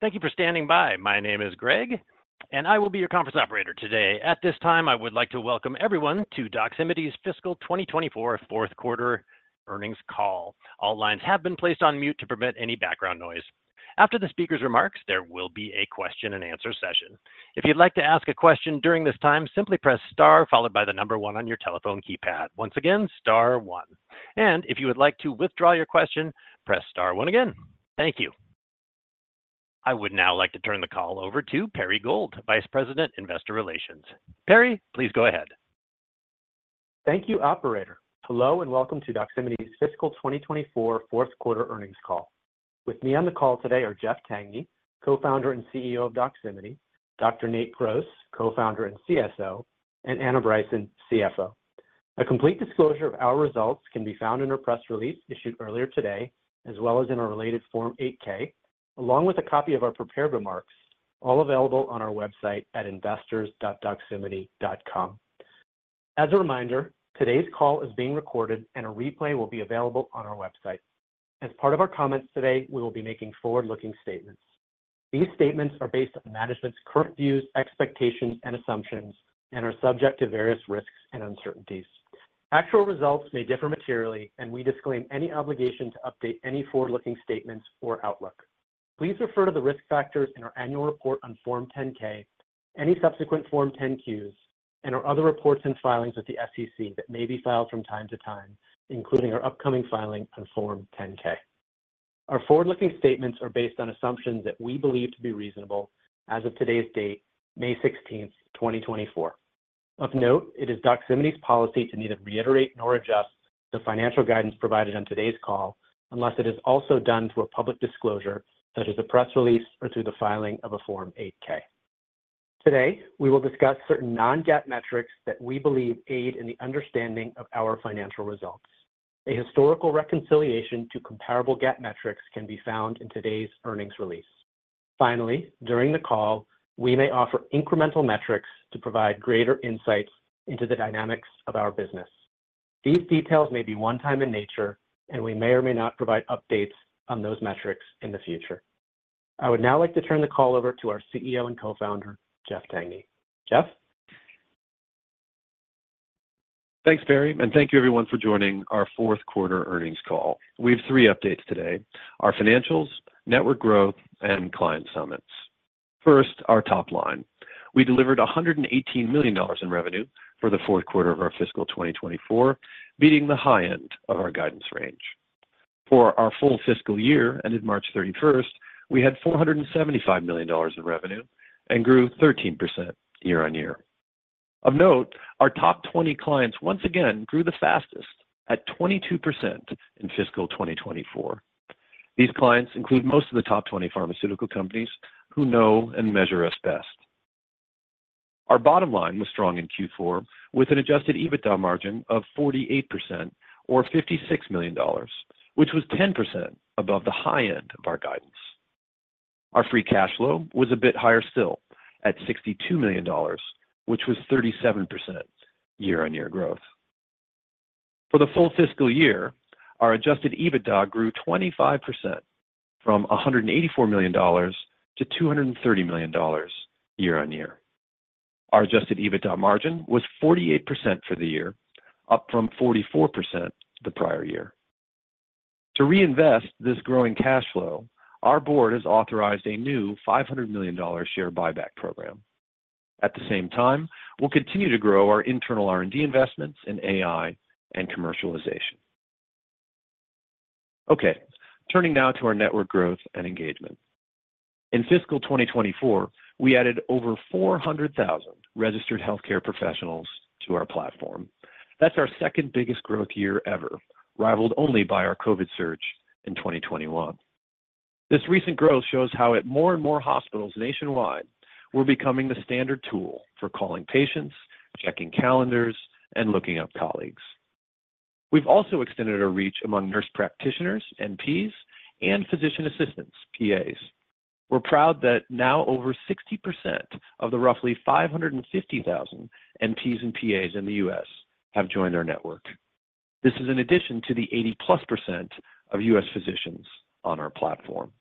Thank you for standing by. My name is Greg, and I will be your conference operator today. At this time, I would like to welcome everyone to Doximity's Fiscal 2024 Fourth Quarter Earnings Call. All lines have been placed on mute to prevent any background noise. After the speaker's remarks, there will be a question and answer session. If you'd like to ask a question during this time, simply press star followed by the number one on your telephone keypad. Once again, star one. And if you would like to withdraw your question, press star one again. Thank you. I would now like to turn the call over to Perry Gold, Vice President, Investor Relations. Perry, please go ahead. Thank you, operator. Hello, and welcome to Doximity's Fiscal 2024 Fourth Quarter Earnings Call. With me on the call today are Jeff Tangney, Co-founder and Chief Executive Officer of Doximity, Dr. Nate Gross, Co-founder and Chief Strategy Officer, and Anna Bryson, Chief Financial Officer. A complete disclosure of our results can be found in our press release issued earlier today, as well as in our related Form 8-K, along with a copy of our prepared remarks, all available on our website at investors.doximity.com. As a reminder, today's call is being recorded and a replay will be available on our website. As part of our comments today, we will be making forward-looking statements. These statements are based on management's current views, expectations, and assumptions and are subject to various risks and uncertainties. Actual results may differ materially, and we disclaim any obligation to update any forward-looking statements or outlook. Please refer to the risk factors in our annual report on Form 10-K, any subsequent Form 10-Qs, and our other reports and filings with the SEC that may be filed from time to time, including our upcoming filing on Form 10-K. Our forward-looking statements are based on assumptions that we believe to be reasonable as of today's date, May 16, 2024. Of note, it is Doximity's policy to neither reiterate nor adjust the financial guidance provided on today's call unless it is also done through a public disclosure, such as a press release or through the filing of a Form 8-K. Today, we will discuss certain non-GAAP metrics that we believe aid in the understanding of our financial results. A historical reconciliation to comparable GAAP metrics can be found in today's earnings release. Finally, during the call, we may offer incremental metrics to provide greater insights into the dynamics of our business. These details may be one time in nature, and we may or may not provide updates on those metrics in the future. I would now like to turn the call over to our Chief Executive Officer and Co-founder, Jeff Tangney. Jeff? Thanks, Perry, and thank you everyone for joining our Fourth Quarter Earnings Call. We have three updates today: our financials, network growth, and client summits. First, our top line. We delivered $118 million in revenue for the fourth quarter of our fiscal 2024, beating the high end of our guidance range. For our full fiscal year, ended March 31, we had $475 million of revenue and grew 13% year-on-year. Of note, our top 20 clients once again grew the fastest at 22% in fiscal 2024. These clients include most of the top 20 pharmaceutical companies who know and measure us best. Our bottom line was strong in Q4, with an adjusted EBITDA margin of 48% or $56 million, which was 10% above the high end of our guidance. Our free cash flow was a bit higher still at $62 million, which was 37% year-on-year growth. For the full fiscal year, our adjusted EBITDA grew 25% from $184 million to $230 million year-on-year. Our adjusted EBITDA margin was 48% for the year, up from 44% the prior year. To reinvest this growing cash flow, our board has authorized a new $500 million share buyback program. At the same time, we'll continue to grow our internal R&D investments in AI and commercialization. Okay, turning now to our network growth and engagement. In fiscal 2024, we added over 400,000 registered healthcare professionals to our platform. That's our second biggest growth year ever, rivaled only by our COVID surge in 2021. This recent growth shows how at more and more hospitals nationwide, we're becoming the standard tool for calling patients, checking calendars, and looking up colleagues. We've also extended our reach among nurse practitioners, NPs, and physician assistants, PAs. We're proud that now over 60% of the roughly 550,000 NPs and PAs in the U.S. have joined our network. This is in addition to the 80%+ of U.S. physicians on our platform.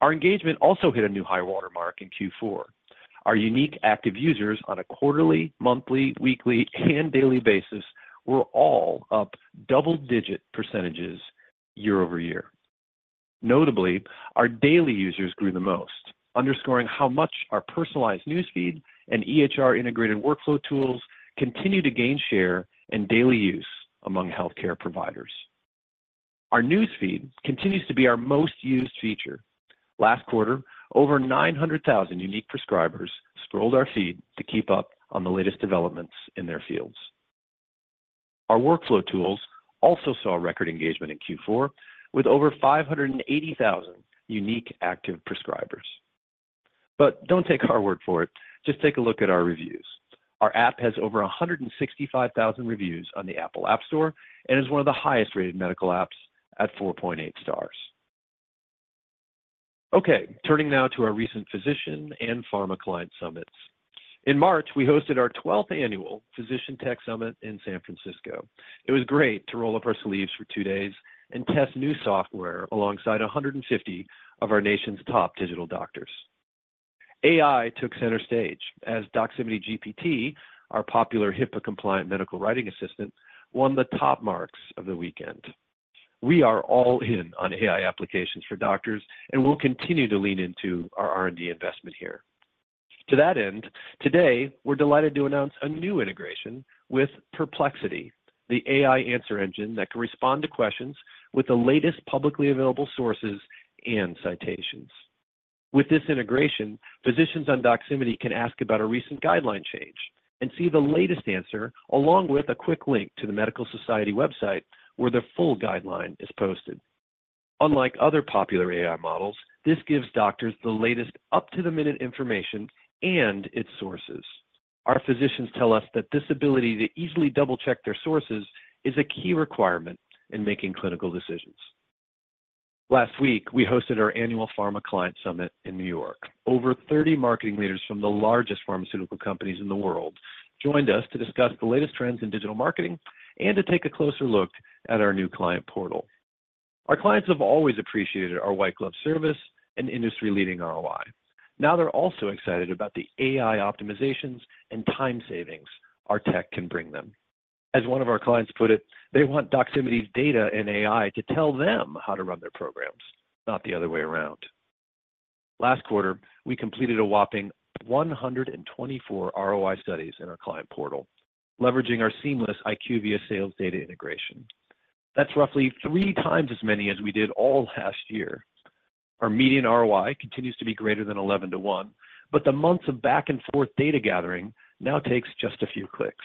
Our engagement also hit a new high-water mark in Q4. Our unique active users on a quarterly, monthly, weekly, and daily basis were all up double-digit percentages year-over-year. Notably, our daily users grew the most, underscoring how much our personalized newsfeed and EHR-integrated workflow tools continue to gain share and daily use among healthcare providers. Our newsfeed continues to be our most used feature. Last quarter, over 900,000 unique prescribers scrolled our feed to keep up on the latest developments in their fields. Our workflow tools also saw record engagement in Q4, with over 580,000 unique active prescribers. But don't take our word for it. Just take a look at our reviews. Our app has over 165,000 reviews on the Apple App Store and is one of the highest-rated medical apps at 4.8 stars. Okay, turning now to our recent physician and pharma client summits. In March, we hosted our 12th Annual Physician Tech Summit in San Francisco. It was great to roll up our sleeves for 2 days and test new software alongside 150 of our nation's top digital doctors. AI took center stage as Doximity GPT, our popular HIPAA-compliant medical writing assistant, won the top marks of the weekend. We are all in on AI applications for doctors, and we'll continue to lean into our R&D investment here. To that end, today, we're delighted to announce a new integration with Perplexity, the AI answer engine that can respond to questions with the latest publicly available sources and citations. With this integration, physicians on Doximity can ask about a recent guideline change and see the latest answer, along with a quick link to the medical society website, where the full guideline is posted. Unlike other popular AI models, this gives doctors the latest up-to-the-minute information and its sources. Our physicians tell us that this ability to easily double-check their sources is a key requirement in making clinical decisions. Last week, we hosted our Annual Pharma Client Summit in New York. Over 30 marketing leaders from the largest pharmaceutical companies in the world joined us to discuss the latest trends in digital marketing and to take a closer look at our new client portal. Our clients have always appreciated our white glove service and industry-leading ROI. Now, they're also excited about the AI optimizations and time savings our tech can bring them. As one of our clients put it, they want Doximity's data and AI to tell them how to run their programs, not the other way around. Last quarter, we completed a whopping 124 ROI studies in our client portal, leveraging our seamless IQVIA sales data integration. That's roughly 3 times as many as we did all last year. Our median ROI continues to be greater than 11:1, but the months of back-and-forth data gathering now takes just a few clicks.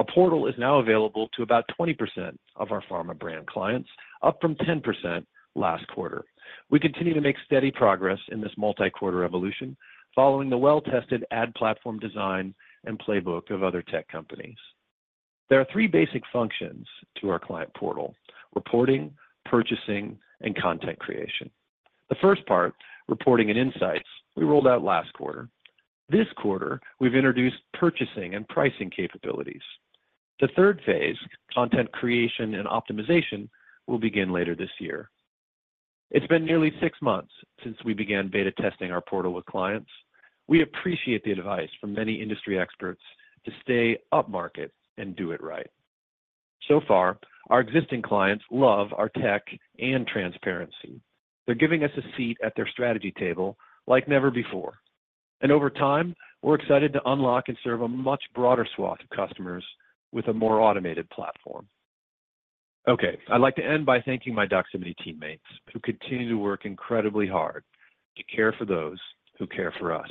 A portal is now available to about 20% of our pharma brand clients, up from 10% last quarter. We continue to make steady progress in this multi-quarter evolution, following the well-tested ad platform design and playbook of other tech companies. There are three basic functions to our client portal: reporting, purchasing, and content creation. The first part, reporting and insights, we rolled out last quarter. This quarter, we've introduced purchasing and pricing capabilities. The third phase, content creation and optimization, will begin later this year. It's been nearly six months since we began beta testing our portal with clients. We appreciate the advice from many industry experts to stay upmarket and do it right. So far, our existing clients love our tech and transparency. They're giving us a seat at their strategy table like never before, and over time, we're excited to unlock and serve a much broader swath of customers with a more automated platform. Okay, I'd like to end by thanking my Doximity teammates, who continue to work incredibly hard to care for those who care for us.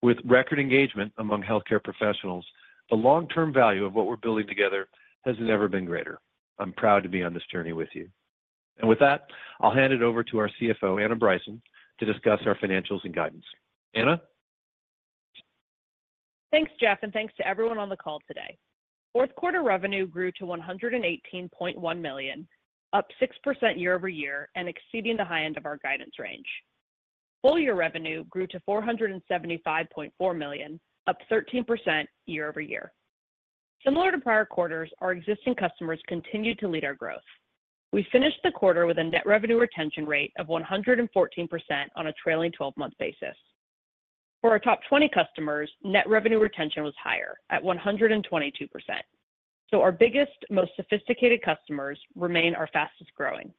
With record engagement among healthcare professionals, the long-term value of what we're building together has never been greater. I'm proud to be on this journey with you. And with that, I'll hand it over to our Chief Financial Officer, Anna Bryson, to discuss our financials and guidance. Anna? Thanks, Jeff, and thanks to everyone on the call today. Fourth quarter revenue grew to $118.1 million, up 6% year-over-year and exceeding the high end of our guidance range. Full year revenue grew to $475.4 million, up 13% year-over-year. Similar to prior quarters, our existing customers continued to lead our growth. We finished the quarter with a net revenue retention rate of 114% on a trailing twelve-month basis. For our top 20 customers, net revenue retention was higher at 122%. So our biggest, most sophisticated customers remain our fastest-growing.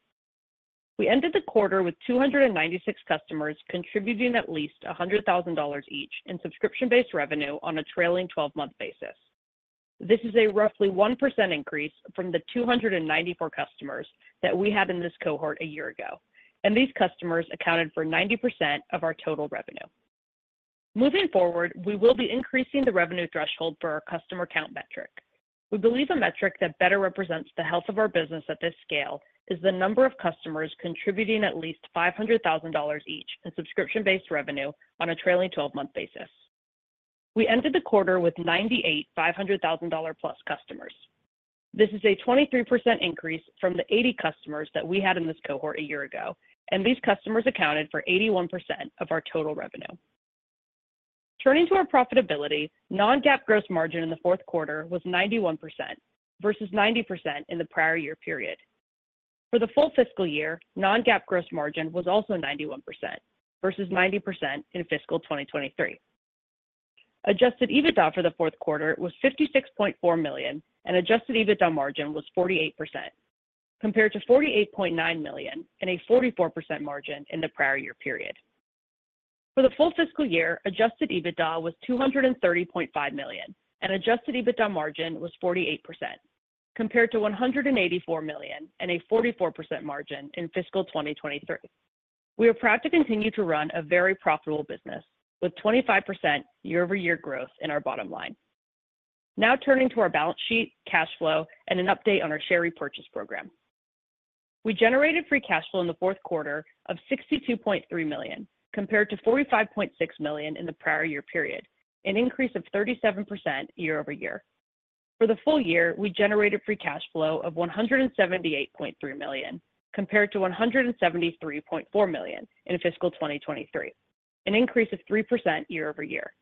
We ended the quarter with 296 customers, contributing at least $100,000 each in subscription-based revenue on a trailing twelve-month basis. This is a roughly 1% increase from the 294 customers that we had in this cohort a year ago, and these customers accounted for 90% of our total revenue. Moving forward, we will be increasing the revenue threshold for our customer count metric. We believe a metric that better represents the health of our business at this scale is the number of customers contributing at least $500,000 each in subscription-based revenue on a trailing twelve-month basis. We ended the quarter with 98 $500,000-plus customers. This is a 23% increase from the 80 customers that we had in this cohort a year ago, and these customers accounted for 81% of our total revenue. Turning to our profitability, non-GAAP gross margin in the fourth quarter was 91% versus 90% in the prior year period. For the full fiscal year, non-GAAP gross margin was also 91% versus 90% in fiscal 2023. Adjusted EBITDA for the fourth quarter was $56.4 million, and adjusted EBITDA margin was 48%, compared to $48.9 million and a 44% margin in the prior year period. For the full fiscal year, adjusted EBITDA was $230.5 million, and adjusted EBITDA margin was 48%, compared to $184 million and a 44% margin in fiscal 2023. We are proud to continue to run a very profitable business with 25% year-over-year growth in our bottom line. Now, turning to our balance sheet, cash flow, and an update on our share repurchase program. We generated free cash flow in the fourth quarter of $62.3 million, compared to $45.6 million in the prior year period, an increase of 37% year-over-year. For the full year, we generated free cash flow of $178.3 million, compared to $173.4 million in fiscal 2023, an increase of 3% year-over-year.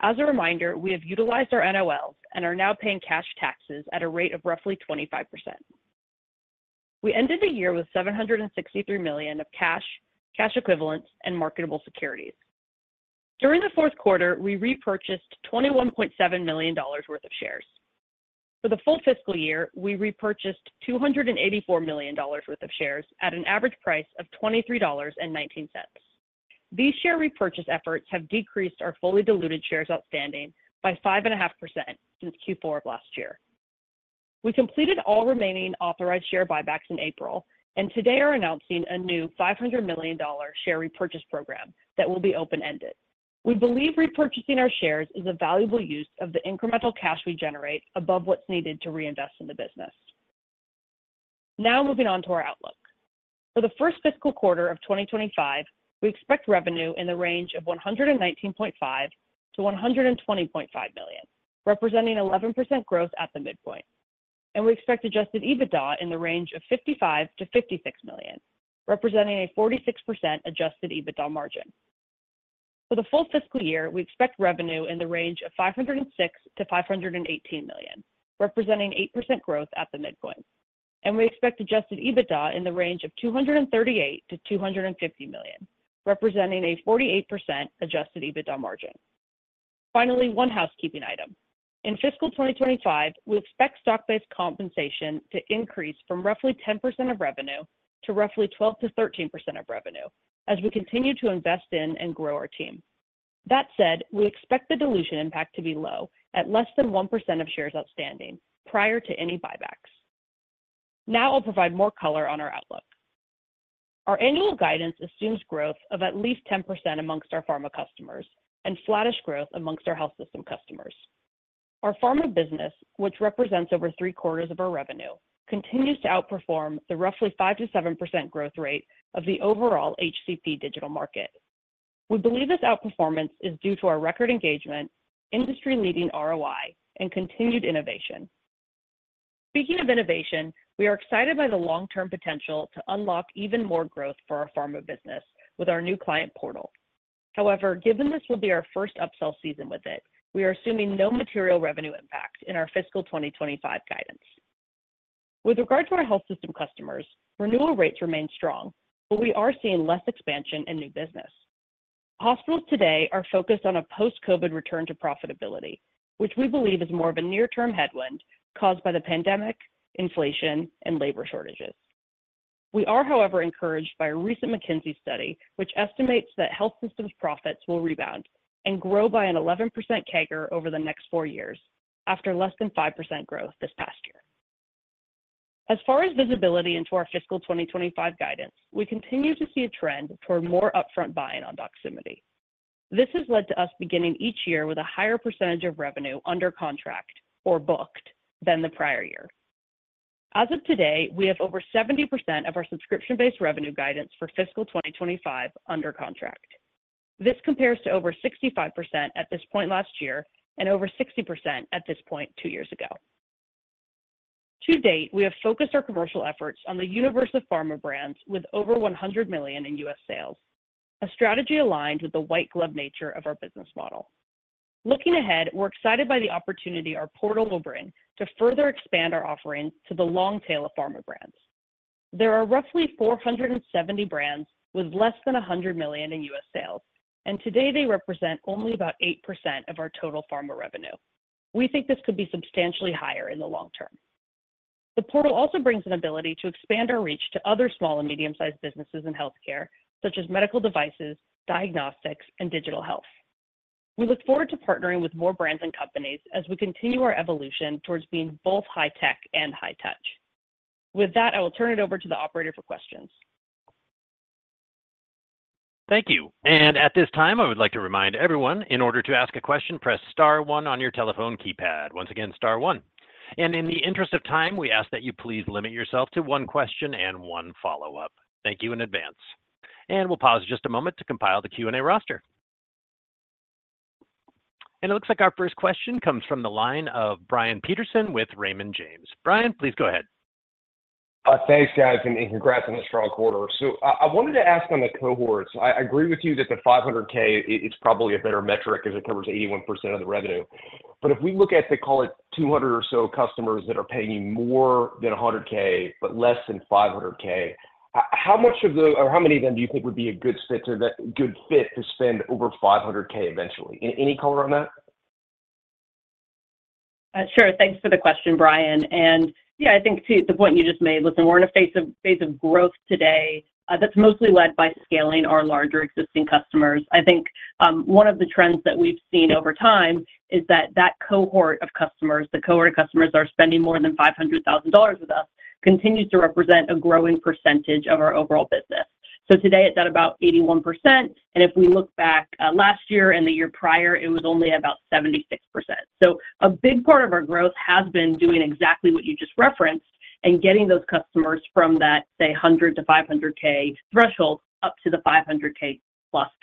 As a reminder, we have utilized our NOLs and are now paying cash taxes at a rate of roughly 25%. We ended the year with $763 million of cash, cash equivalents, and marketable securities. During the fourth quarter, we repurchased $21.7 million worth of shares. For the full fiscal year, we repurchased $284 million worth of shares at an average price of $23.19. These share repurchase efforts have decreased our fully diluted shares outstanding by 5.5% since Q4 of last year. We completed all remaining authorized share buybacks in April, and today are announcing a new $500 million share repurchase program that will be open-ended. We believe repurchasing our shares is a valuable use of the incremental cash we generate above what's needed to reinvest in the business. Now, moving on to our outlook. For the first fiscal quarter of 2025, we expect revenue in the range of $119.5 million-$120.5 million, representing 11% growth at the midpoint. We expect Adjusted EBITDA in the range of $55 million-$56 million, representing a 46% Adjusted EBITDA margin. For the full fiscal year, we expect revenue in the range of $506 million-$518 million, representing 8% growth at the midpoint, and we expect Adjusted EBITDA in the range of $238 million-$250 million, representing a 48% Adjusted EBITDA margin. Finally, one housekeeping item. In fiscal 2025, we expect stock-based compensation to increase from roughly 10% of revenue to roughly 12%-13% of revenue as we continue to invest in and grow our team. That said, we expect the dilution impact to be low, at less than 1% of shares outstanding prior to any buybacks. Now I'll provide more color on our outlook. Our annual guidance assumes growth of at least 10% among our pharma customers and flattish growth among our health system customers. Our pharma business, which represents over three-quarters of our revenue, continues to outperform the roughly 5%-7% growth rate of the overall HCP digital market. We believe this outperformance is due to our record engagement, industry-leading ROI, and continued innovation. Speaking of innovation, we are excited by the long-term potential to unlock even more growth for our pharma business with our new client portal. However, given this will be our first upsell season with it, we are assuming no material revenue impact in our fiscal 2025 guidance. With regard to our health system customers, renewal rates remain strong, but we are seeing less expansion in new business. Hospitals today are focused on a post-COVID return to profitability, which we believe is more of a near-term headwind caused by the pandemic, inflation, and labor shortages. We are, however, encouraged by a recent McKinsey study, which estimates that health systems profits will rebound and grow by an 11% CAGR over the next four years, after less than 5% growth this past year. As far as visibility into our fiscal 2025 guidance, we continue to see a trend toward more upfront buy-in on Doximity. This has led to us beginning each year with a higher percentage of revenue under contract or booked than the prior year. As of today, we have over 70% of our subscription-based revenue guidance for fiscal 2025 under contract. This compares to over 65% at this point last year and over 60% at this point two years ago. To date, we have focused our commercial efforts on the universe of pharma brands with over $100 million in U.S. sales, a strategy aligned with the white glove nature of our business model. Looking ahead, we're excited by the opportunity our portal will bring to further expand our offerings to the long tail of pharma brands. There are roughly 470 brands with less than $100 million in U.S. sales, and today they represent only about 8% of our total pharma revenue. We think this could be substantially higher in the long term. The portal also brings an ability to expand our reach to other small and medium-sized businesses in healthcare, such as medical devices, diagnostics, and digital health. We look forward to partnering with more brands and companies as we continue our evolution towards being both high tech and high touch. With that, I will turn it over to the operator for questions. Thank you. And at this time, I would like to remind everyone, in order to ask a question, press star one on your telephone keypad. Once again, star one. And in the interest of time, we ask that you please limit yourself to one question and one follow-up. Thank you in advance. And we'll pause just a moment to compile the Q&A roster. And it looks like our first question comes from the line of Brian Peterson with Raymond James. Brian, please go ahead. Thanks, guys, and congrats on the strong quarter. So I wanted to ask on the cohorts. I agree with you that the $500,000 is probably a better metric because it covers 81% of the revenue. But if we look at the call it 200 or so customers that are paying more than a $100,000 but less than $500,000, how many of them do you think would be a good fit or that good fit to spend over $500,000 eventually? Any color on that? Sure. Thanks for the question, Brian. Yeah, I think to the point you just made, listen, we're in a phase of growth today that's mostly led by scaling our larger existing customers. I think one of the trends that we've seen over time is that cohort of customers are spending more than $500,000 with us continues to represent a growing percentage of our overall business. So today, it's at about 81%, and if we look back last year and the year prior, it was only about 76%. So a big part of our growth has been doing exactly what you just referenced and getting those customers from that, say, $100,000-$500,000 threshold up to the $500,000+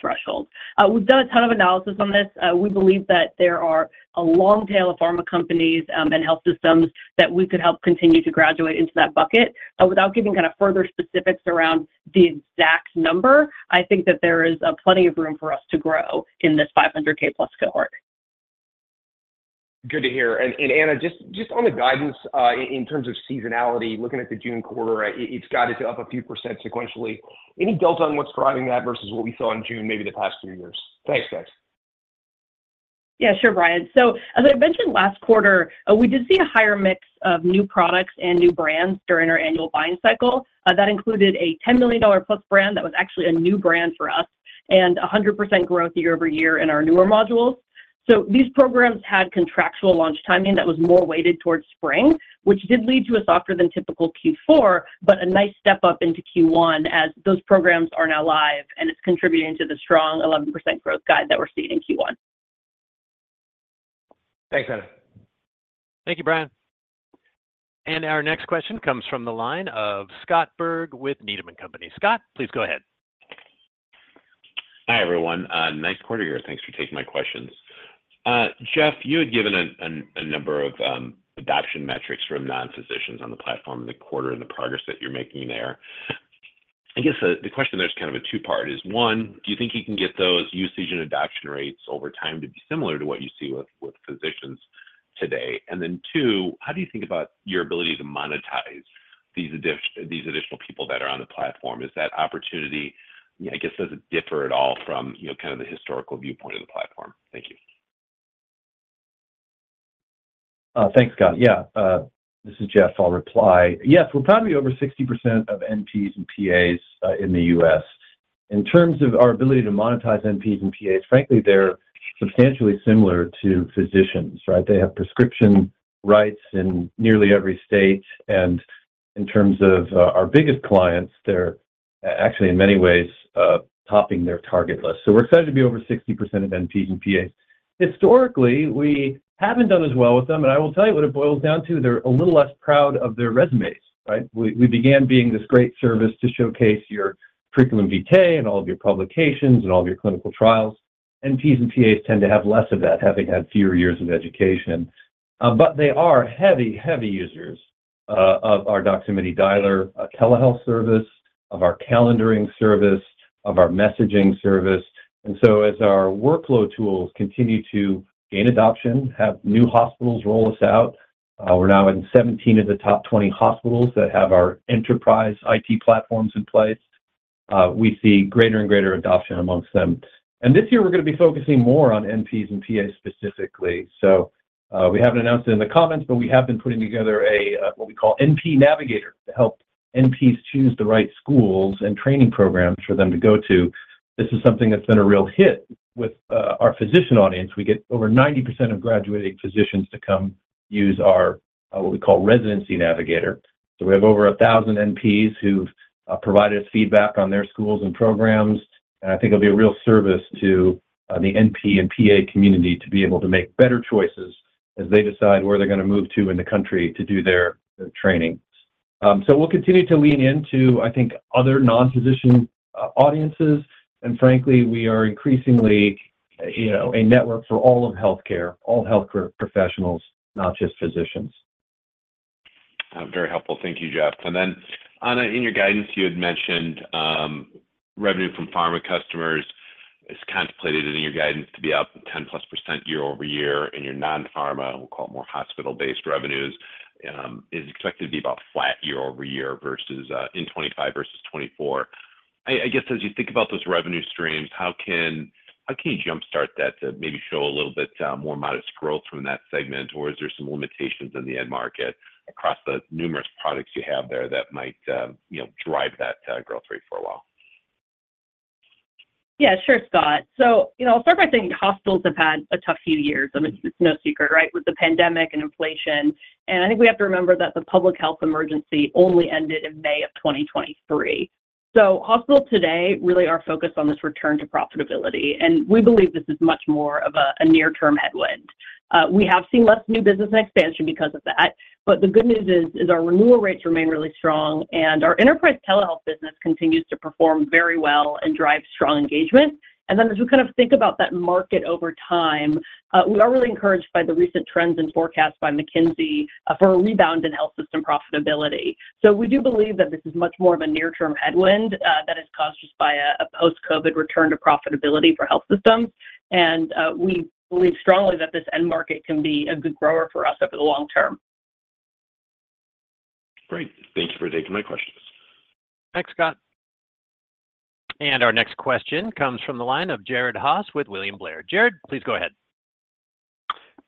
threshold. We've done a ton of analysis on this. We believe that there are a long tail of pharma companies, and health systems that we could help continue to graduate into that bucket. Without giving kind of further specifics around the exact number, I think that there is plenty of room for us to grow in this 500K plus cohort. Good to hear. And Anna, just on the guidance, in terms of seasonality, looking at the June quarter, it's guided up a few% sequentially. Any details on what's driving that versus what we saw in June, maybe the past three years? Thanks, guys. Yeah, sure, Brian. So as I mentioned last quarter, we did see a higher mix of new products and new brands during our annual buying cycle. That included a $10 million plus brand that was actually a new brand for us, and 100% growth year-over-year in our newer modules. So these programs had contractual launch timing that was more weighted towards spring, which did lead to a softer than typical Q4, but a nice step up into Q1 as those programs are now live, and it's contributing to the strong 11% growth guide that we're seeing in Q1. Thanks, Anna. Thank you, Brian. Our next question comes from the line of Scott Berg with Needham & Company. Scott, please go ahead. Hi, everyone. Nice quarter here. Thanks for taking my questions. Jeff, you had given a number of adoption metrics from non-physicians on the platform in the quarter and the progress that you're making there. I guess the question there's kind of a two-part, is one, do you think you can get those usage and adoption rates over time to be similar to what you see with physicians today? And then two, how do you think about your ability to monetize these additional people that are on the platform? Is that opportunity, I guess, does it differ at all from, you know, kind of the historical viewpoint of the platform? Thank you. Thanks, Scott. Yeah, this is Jeff. I'll reply. Yes, we're probably over 60% of NPs and PAs in the US. In terms of our ability to monetize NPs and PAs, frankly, they're substantially similar to physicians, right? They have prescription rights in nearly every state, and in terms of our biggest clients, they're actually, in many ways, topping their target list. So we're excited to be over 60% of NPs and PAs. Historically, we haven't done as well with them, and I will tell you what it boils down to, they're a little less proud of their resumes, right? We began being this great service to showcase your curriculum vitae and all of your publications and all of your clinical trials. NPs and PAs tend to have less of that, having had fewer years of education. But they are heavy, heavy users of our Doximity Dialer, telehealth service, of our calendaring service, of our messaging service. And so as our workflow tools continue to gain adoption, have new hospitals roll us out, we're now in 17 of the top 20 hospitals that have our enterprise IT platforms in place, we see greater and greater adoption amongst them. And this year, we're gonna be focusing more on NPs and PAs specifically. So, we haven't announced it in the comments, but we have been putting together a, what we call NP Navigator, to help NPs choose the right schools and training programs for them to go to. This is something that's been a real hit with our physician audience. We get over 90% of graduating physicians to come use our, what we call Residency Navigator. So we have over 1,000 NPs who've provided us feedback on their schools and programs, and I think it'll be a real service to the NP and PA community to be able to make better choices as they decide where they're gonna move to in the country to do their training. So we'll continue to lean into, I think, other non-physician audiences. And frankly, we are increasingly, you know, a network for all of healthcare, all healthcare professionals, not just physicians. Very helpful. Thank you, Jeff. And then, Anna, in your guidance, you had mentioned, revenue from pharma customers is contemplated in your guidance to be up 10%+ year-over-year, and your non-pharma, we'll call it more hospital-based revenues, is expected to be about flat year-over-year versus in 2025 versus 2024. I guess, as you think about those revenue streams, how can you jumpstart that to maybe show a little bit more modest growth from that segment? Or is there some limitations in the end market across the numerous products you have there that might, you know, drive that growth rate for a while? Yeah, sure, Scott. So, you know, I'll start by saying hospitals have had a tough few years. I mean, it's no secret, right? With the pandemic and inflation, and I think we have to remember that the public health emergency only ended in May of 2023. So hospitals today really are focused on this return to profitability, and we believe this is much more of a near-term headwind. We have seen less new business and expansion because of that, but the good news is our renewal rates remain really strong, and our enterprise telehealth business continues to perform very well and drive strong engagement. And then as we kind of think about that market over time, we are really encouraged by the recent trends and forecasts by McKinsey for a rebound in health system profitability. So we do believe that this is much more of a near-term headwind, that is caused just by a post-COVID return to profitability for health systems. And, we believe strongly that this end market can be a good grower for us over the long term. Great. Thank you for taking my questions. Thanks, Scott. Our next question comes from the line of Jared Haase with William Blair. Jared, please go ahead.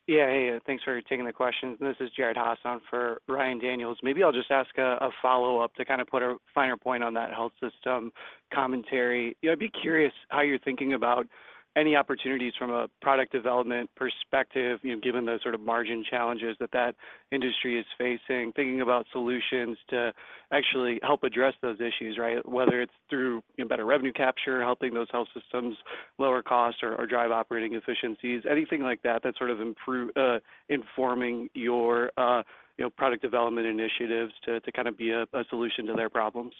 Yeah. Hey, thanks for taking the questions. This is Jared Haase, on for Ryan Daniels. Maybe I'll just ask a follow-up to kind of put a finer point on that health system commentary. You know, I'd be curious how you're thinking about any opportunities from a product development perspective, you know, given the sort of margin challenges that that industry is facing, thinking about solutions to actually help address those issues, right? Whether it's through better revenue capture, helping those health systems lower costs or drive operating efficiencies, anything like that that's sort of informing your product development initiatives to kind of be a solution to their problems.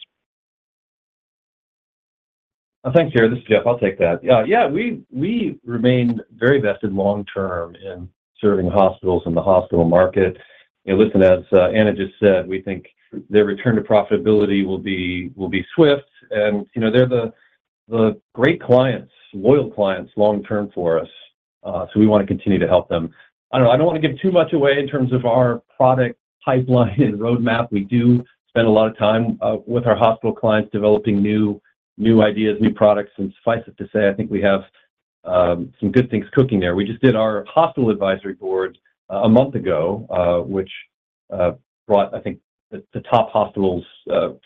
Thanks, Jared. This is Jeff, I'll take that. Yeah, we, we remain very vested long term in serving hospitals in the hospital market. You know, listen, as Anna just said, we think their return to profitability will be, will be swift, and, you know, they're the, the great clients, loyal clients long term for us, so we want to continue to help them. I don't know. I don't want to give too much away in terms of our product pipeline and roadmap. We do spend a lot of time with our hospital clients, developing new, new ideas, new products, and suffice it to say, I think we have some good things cooking there. We just did our hospital advisory board a month ago, which brought, I think, the top hospitals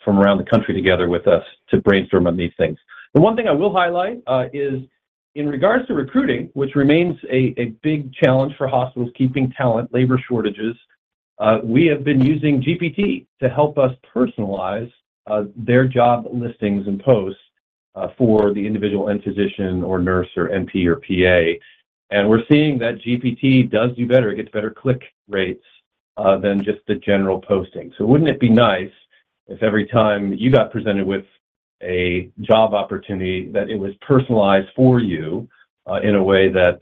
from around the country together with us to brainstorm on these things. The one thing I will highlight is in regards to recruiting, which remains a big challenge for hospitals, keeping talent, labor shortages. We have been using GPT to help us personalize their job listings and posts for the individual end physician or nurse, or NP, or PA. And we're seeing that GPT does do better. It gets better click rates than just the general posting. So wouldn't it be nice if every time you got presented with a job opportunity, that it was personalized for you, in a way that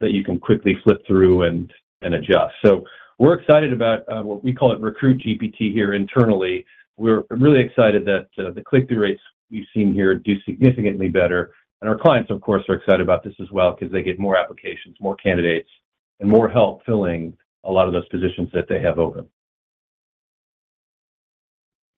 you can quickly flip through and adjust? So we're excited about what we call it, Recruit GPT here internally. We're really excited that the click-through rates we've seen here do significantly better, and our clients, of course, are excited about this as well because they get more applications, more candidates, and more help filling a lot of those positions that they have open.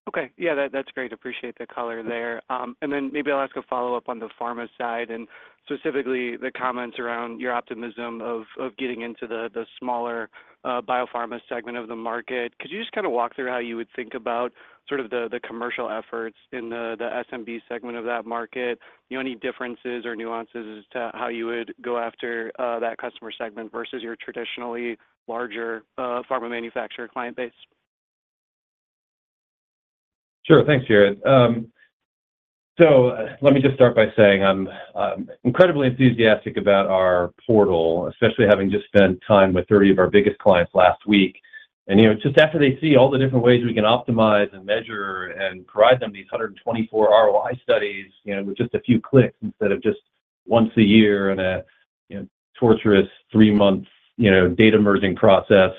Okay. Yeah, that, that's great. Appreciate the color there. And then maybe I'll ask a follow-up on the pharma side and specifically the comments around your optimism of getting into the smaller biopharma segment of the market. Could you just kind of walk through how you would think about sort of the commercial efforts in the SMB segment of that market? You know, any differences or nuances as to how you would go after that customer segment versus your traditionally larger pharma manufacturer client base? Sure. Thanks, Jared. So let me just start by saying, I'm incredibly enthusiastic about our portal, especially having just spent time with 30 of our biggest clients last week. And, you know, just after they see all the different ways we can optimize and measure and provide them these 124 ROI studies, you know, with just a few clicks, instead of just once a year and a torturous three months, you know, data merging process,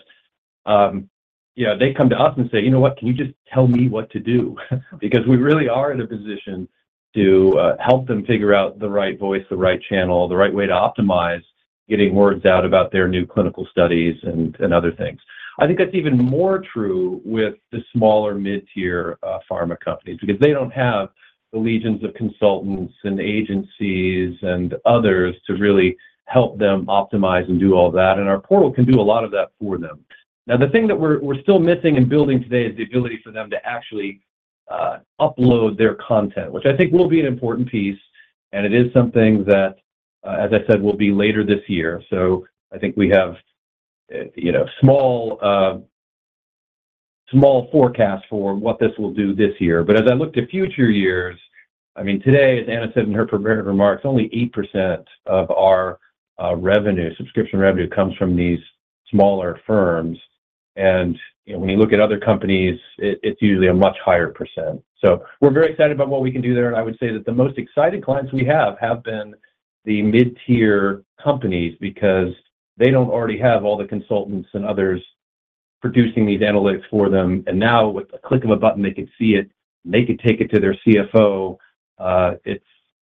yeah, they come to us and say, "You know what? Can you just tell me what to do?" Because we really are in a position to help them figure out the right voice, the right channel, the right way to optimize getting words out about their new clinical studies and other things. I think that's even more true with the smaller mid-tier, pharma companies, because they don't have the legions of consultants, and agencies, and others to really help them optimize and do all that, and our portal can do a lot of that for them. Now, the thing that we're still missing in building today is the ability for them to actually upload their content, which I think will be an important piece, and it is something that, as I said, will be later this year. So I think we have, you know, small forecast for what this will do this year. But as I look to future years, I mean, today, as Anna said in her prepared remarks, only 8% of our revenue, subscription revenue comes from these smaller firms. You know, when you look at other companies, it's usually a much higher percent. We're very excited about what we can do there, and I would say that the most exciting clients we have been the mid-tier companies because they don't already have all the consultants and others producing these analytics for them. Now, with the click of a button, they can see it, they can take it to their CFO.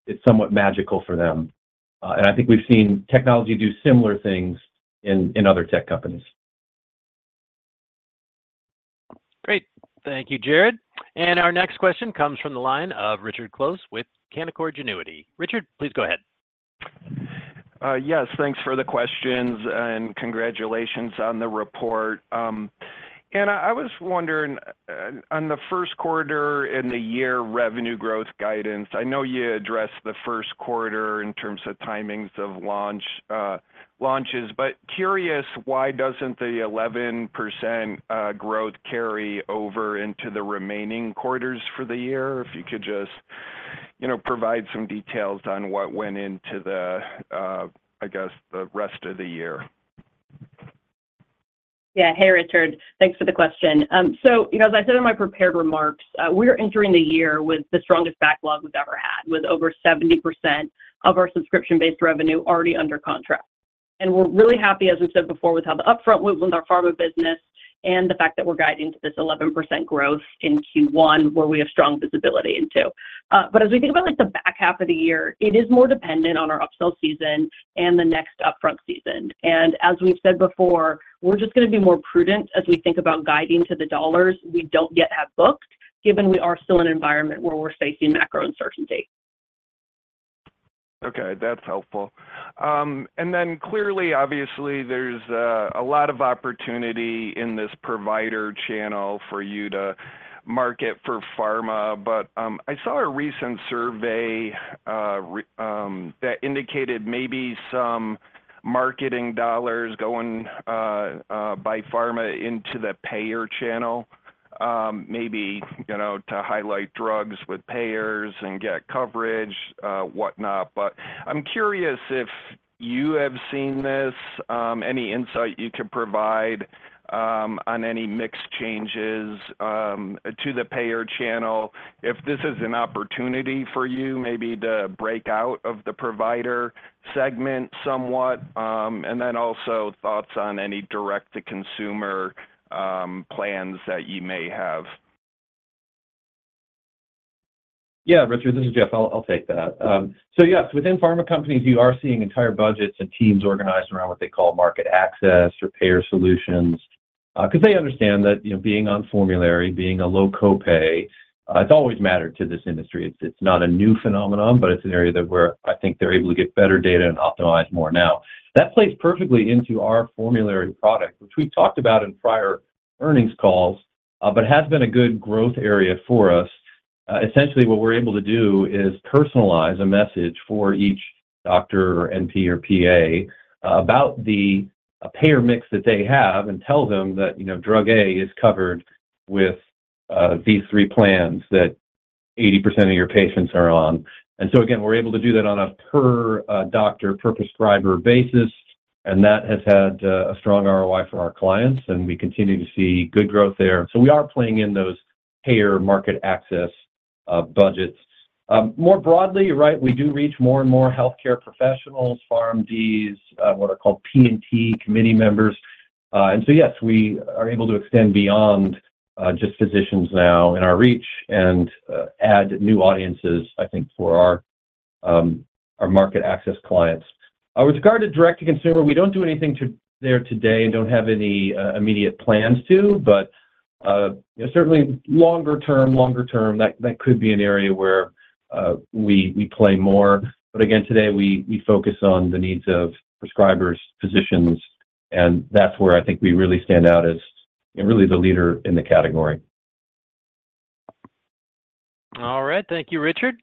It's somewhat magical for them. I think we've seen technology do similar things in other tech companies. Great. Thank you, Jared. And our next question comes from the line of Richard Close with Canaccord Genuity. Richard, please go ahead. Yes, thanks for the questions, and congratulations on the report. Anna, I was wondering, on the first quarter and the year revenue growth guidance, I know you addressed the first quarter in terms of timings of launch, launches, but curious, why doesn't the 11% growth carry over into the remaining quarters for the year? If you could just, you know, provide some details on what went into the, I guess, the rest of the year. Yeah. Hey, Richard. Thanks for the question. So, you know, as I said in my prepared remarks, we're entering the year with the strongest backlog we've ever had, with over 70% of our subscription-based revenue already under contract. And we're really happy, as we said before, with how the upfront movement, our pharma business, and the fact that we're guiding to this 11% growth in Q1, where we have strong visibility into. But as we think about, like, the back half of the year, it is more dependent on our upsell season and the next upfront season. And as we've said before, we're just gonna be more prudent as we think about guiding to the dollars we don't yet have booked, given we are still in an environment where we're facing macro uncertainty. Okay, that's helpful. And then clearly, obviously, there's a lot of opportunity in this provider channel for you to market for pharma, but I saw a recent survey that indicated maybe some marketing dollars going by pharma into the payer channel, maybe, you know, to highlight drugs with payers and get coverage, whatnot. But I'm curious if-... you have seen this, any insight you can provide on any mix changes to the payer channel? If this is an opportunity for you, maybe to break out of the provider segment somewhat, and then also thoughts on any direct-to-consumer plans that you may have. Yeah, Richard, this is Jeff. I'll, I'll take that. So yes, within pharma companies, you are seeing entire budgets and teams organized around what they call market access or payer solutions. 'Cause they understand that, you know, being on formulary, being a low copay, it's always mattered to this industry. It's, it's not a new phenomenon, but it's an area that where I think they're able to get better data and optimize more now. That plays perfectly into our formulary product, which we've talked about in prior earnings calls, but has been a good growth area for us. Essentially, what we're able to do is personalize a message for each doctor, or NP, or PA, about the payer mix that they have and tell them that, you know, drug A is covered with these three plans that 80% of your patients are on. And so again, we're able to do that on a per doctor, per prescriber basis, and that has had a strong ROI for our clients, and we continue to see good growth there. So we are playing in those payer market access budgets. More broadly, right, we do reach more and more healthcare professionals, PharmDs, what are called P&T committee members. And so yes, we are able to extend beyond just physicians now in our reach and add new audiences, I think, for our market access clients. With regard to direct-to-consumer, we don't do anything to there today and don't have any immediate plans to, but certainly longer term, longer term, that could be an area where we play more. But again, today, we focus on the needs of prescribers, physicians, and that's where I think we really stand out as and really the leader in the category. All right. Thank you, Richard.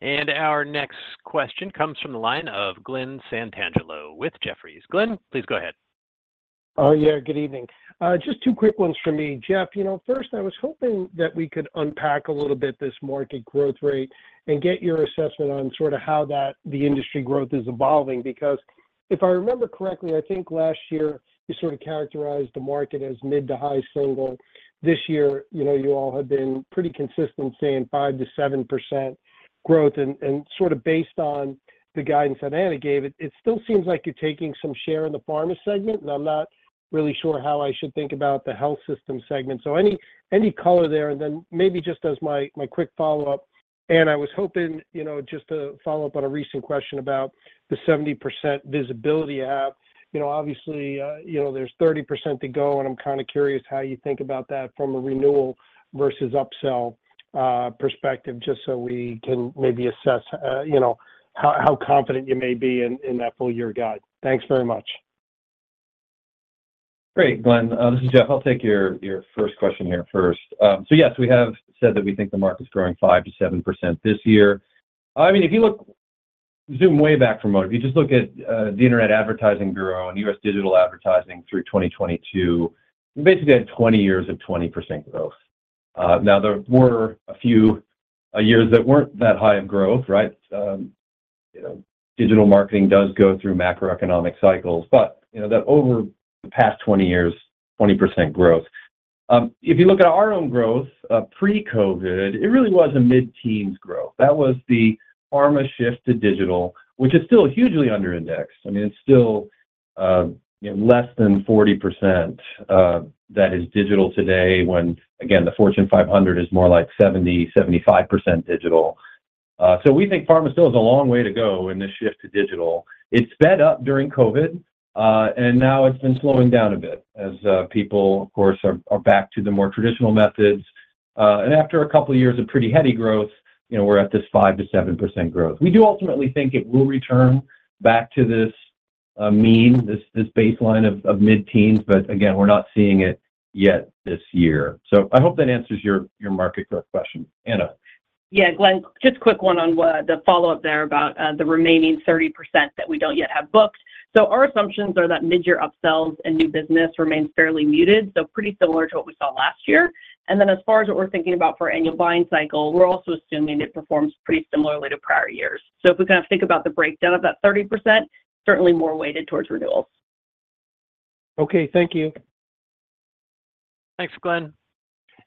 And our next question comes from the line of Glenn Santangelo with Jefferies. Glenn, please go ahead. Oh, yeah, good evening. Just two quick ones for me. Jeff, you know, first, I was hoping that we could unpack a little bit this market growth rate and get your assessment on sort of how the industry growth is evolving. Because if I remember correctly, I think last year, you sort of characterized the market as mid- to high-single. This year, you know, you all have been pretty consistent saying 5%-7% growth. And sort of based on the guidance that Anna gave, it still seems like you're taking some share in the pharma segment, and I'm not really sure how I should think about the health system segment. So any color there, and then maybe just as my quick follow-up, and I was hoping, you know, just to follow up on a recent question about the 70% Visibility app. You know, obviously, you know, there's 30% to go, and I'm kind of curious how you think about that from a renewal versus upsell perspective, just so we can maybe assess, you know, how confident you may be in that full year guide. Thanks very much. Great, Glenn. This is Jeff. I'll take your, your first question here first. So yes, we have said that we think the market's growing 5%-7% this year. I mean, if you look... zoom way back for a moment, if you just look at the Internet Advertising Bureau and US digital advertising through 2022, we basically had 20 years of 20% growth. Now, there were a few years that weren't that high in growth, right? You know, digital marketing does go through macroeconomic cycles, but, you know, that over the past 20 years, 20% growth. If you look at our own growth, pre-COVID, it really was a mid-teens growth. That was the pharma shift to digital, which is still hugely under indexed. I mean, it's still less than 40%, that is digital today, when again, the Fortune 500 is more like 70-75% digital. So we think pharma still has a long way to go in this shift to digital. It sped up during COVID, and now it's been slowing down a bit as people, of course, are back to the more traditional methods. And after a couple of years of pretty heady growth, you know, we're at this 5%-7% growth. We do ultimately think it will return back to this mean, this baseline of mid-teens, but again, we're not seeing it yet this year. So I hope that answers your market growth question. Anna? Yeah, Glenn, just a quick one on what the follow-up there about the remaining 30% that we don't yet have booked. Our assumptions are that mid-year upsells and new business remains fairly muted, so pretty similar to what we saw last year. And then as far as what we're thinking about for annual buying cycle, we're also assuming it performs pretty similarly to prior years. So if we kind of think about the breakdown of that 30%, certainly more weighted towards renewals. Okay. Thank you. Thanks, Glenn.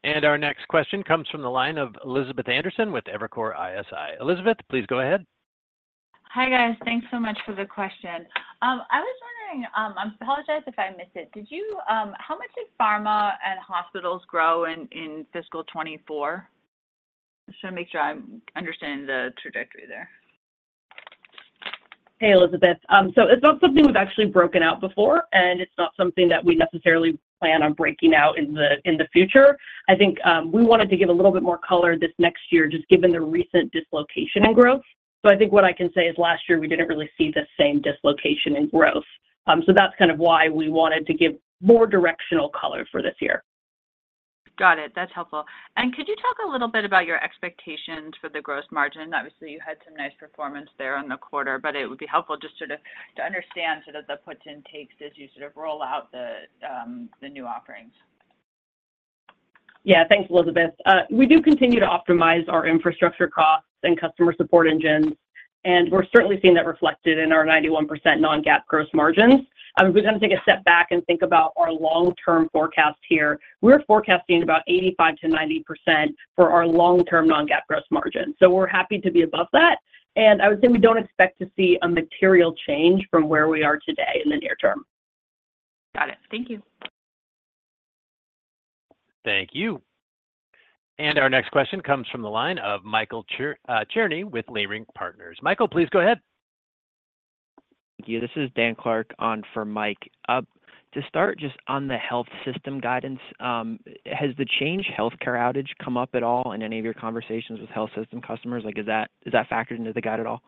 And our next question comes from the line of Elizabeth Anderson with Evercore ISI. Elizabeth, please go ahead. Hi, guys. Thanks so much for the question. I was wondering, I apologize if I missed it. Did you, how much did pharma and hospitals grow in fiscal 2024? Just wanna make sure I understand the trajectory there. Hey, Elizabeth. So it's not something we've actually broken out before, and it's not something that we necessarily plan on breaking out in the future. I think we wanted to give a little bit more color this next year, just given the recent dislocation and growth. So I think what I can say is last year, we didn't really see the same dislocation in growth. So that's kind of why we wanted to give more directional color for this year. Got it. That's helpful. And could you talk a little bit about your expectations for the gross margin? Obviously, you had some nice performance there on the quarter, but it would be helpful just sort of to understand sort of the puts and takes as you sort of roll out the new offerings. Yeah, thanks, Elizabeth. We do continue to optimize our infrastructure costs and customer support engines, and we're certainly seeing that reflected in our 91% non-GAAP gross margins. I mean, we kind of take a step back and think about our long-term forecast here. We're forecasting about 85%-90% for our long-term non-GAAP gross margin. So we're happy to be above that, and I would say we don't expect to see a material change from where we are today in the near term. Got it. Thank you. Thank you. Our next question comes from the line of Michael Cherny with Leerink Partners. Michael, please go ahead. Thank you. This is Dan Clark on for Mike. To start, just on the health system guidance, has the Change Healthcare outage come up at all in any of your conversations with health system customers? Like, is that, is that factored into the guide at all?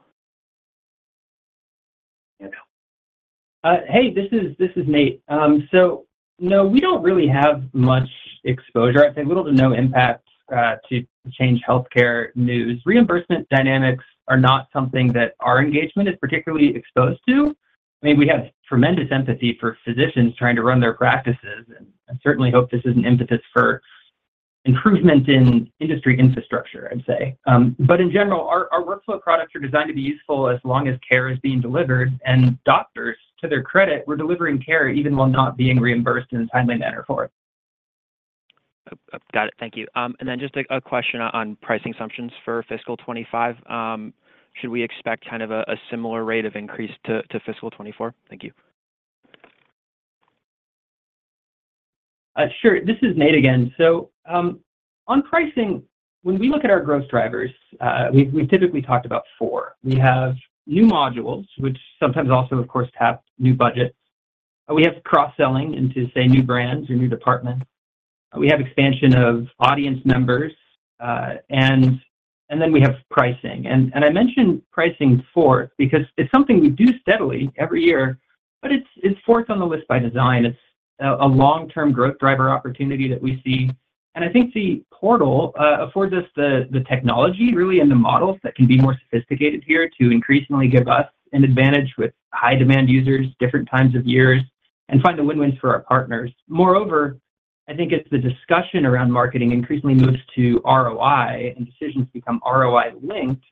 Hey, this is, this is Nate. So no, we don't really have much exposure. I'd say little to no impact to Change Healthcare news. Reimbursement dynamics are not something that our engagement is particularly exposed to. I mean, we have tremendous empathy for physicians trying to run their practices, and I certainly hope this is an impetus for improvement in industry infrastructure, I'd say. But in general, our workflow products are designed to be useful as long as care is being delivered, and doctors, to their credit, were delivering care even while not being reimbursed in a timely manner for it. Got it. Thank you. Then just a question on pricing assumptions for fiscal 2025. Should we expect kind of a similar rate of increase to fiscal 2024? Thank you. Sure. This is Nate again. So, on pricing, when we look at our growth drivers, we've, we've typically talked about four. We have new modules, which sometimes also, of course, tap new budgets. We have cross-selling into, say, new brands or new departments. We have expansion of audience members, and, and then we have pricing. And, and I mentioned pricing fourth because it's something we do steadily every year, but it's, it's fourth on the list by design. It's a, a long-term growth driver opportunity that we see. And I think the portal affords us the, the technology really, and the models that can be more sophisticated here to increasingly give us an advantage with high-demand users, different times of years, and find the win-wins for our partners. Moreover, I think as the discussion around marketing increasingly moves to ROI and decisions become ROI linked,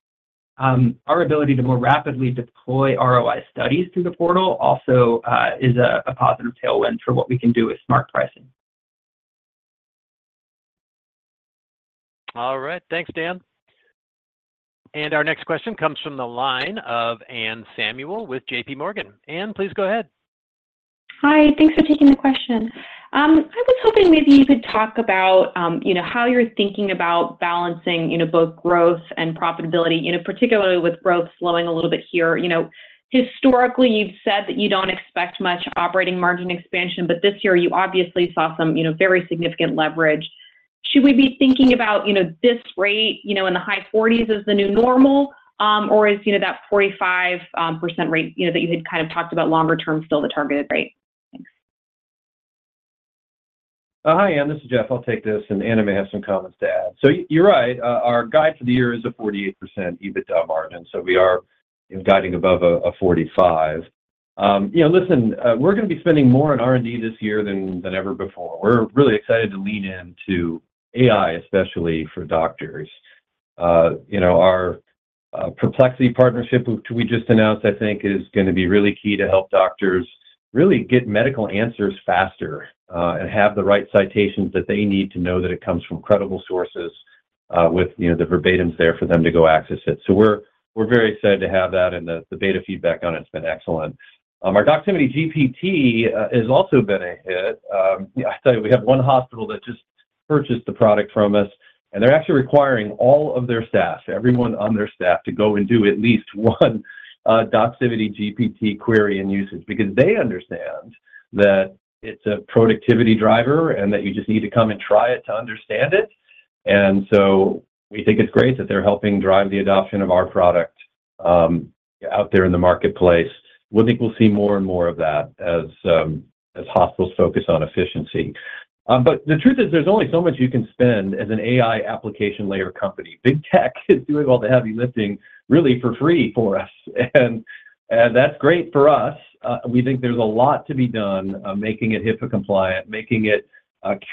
our ability to more rapidly deploy ROI studies through the portal also is a positive tailwind for what we can do with smart pricing. All right. Thanks, Dan. And our next question comes from the line of Anne Samuel with J.P. Morgan. Anne, please go ahead. Hi, thanks for taking the question. I was hoping maybe you could talk about, you know, how you're thinking about balancing, you know, both growth and profitability, you know, particularly with growth slowing a little bit here. You know, historically, you've said that you don't expect much operating margin expansion, but this year you obviously saw some, you know, very significant leverage. Should we be thinking about, you know, this rate, you know, in the high 40s as the new normal, or is, you know, that 45% rate, you know, that you had kind of talked about longer term still the targeted rate? Thanks. Hi, Anne, this is Jeff. I'll take this, and Anna may have some comments to add. So you're right, our guide for the year is a 48% EBITDA margin, so we are guiding above a 45%. You know, listen, we're gonna be spending more on R&D this year than ever before. We're really excited to lean into AI, especially for doctors. You know, our Perplexity partnership, which we just announced, I think is gonna be really key to help doctors really get medical answers faster, and have the right citations that they need to know that it comes from credible sources, with, you know, the verbatims there for them to go access it. So we're very excited to have that, and the beta feedback on it has been excellent. Our Doximity GPT has also been a hit. I tell you, we have one hospital that just purchased the product from us, and they're actually requiring all of their staff, everyone on their staff, to go and do at least one, Doximity GPT query and usage. Because they understand that it's a productivity driver, and that you just need to come and try it to understand it. And so we think it's great that they're helping drive the adoption of our product, out there in the marketplace. We think we'll see more and more of that as, as hospitals focus on efficiency. But the truth is, there's only so much you can spend as an AI application layer company. Big Tech is doing all the heavy lifting really for free for us, and, and that's great for us. We think there's a lot to be done, making it HIPAA compliant, making it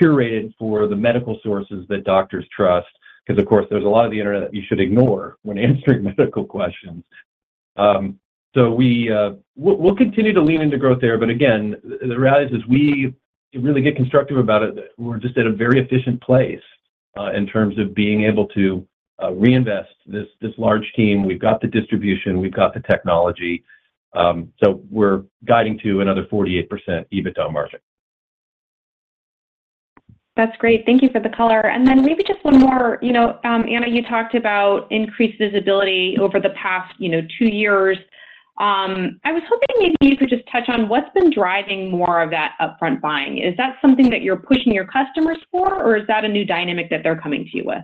curated for the medical sources that doctors trust, because of course, there's a lot of the internet that you should ignore when answering medical questions. So we'll continue to lean into growth there. But again, the reality is we really get constructive about it. We're just at a very efficient place, in terms of being able to reinvest this large team. We've got the distribution, we've got the technology, so we're guiding to another 48% EBITDA margin. That's great. Thank you for the color. And then maybe just one more. You know, Anna, you talked about increased visibility over the past, you know, two years. I was hoping maybe you could just touch on what's been driving more of that upfront buying. Is that something that you're pushing your customers for, or is that a new dynamic that they're coming to you with?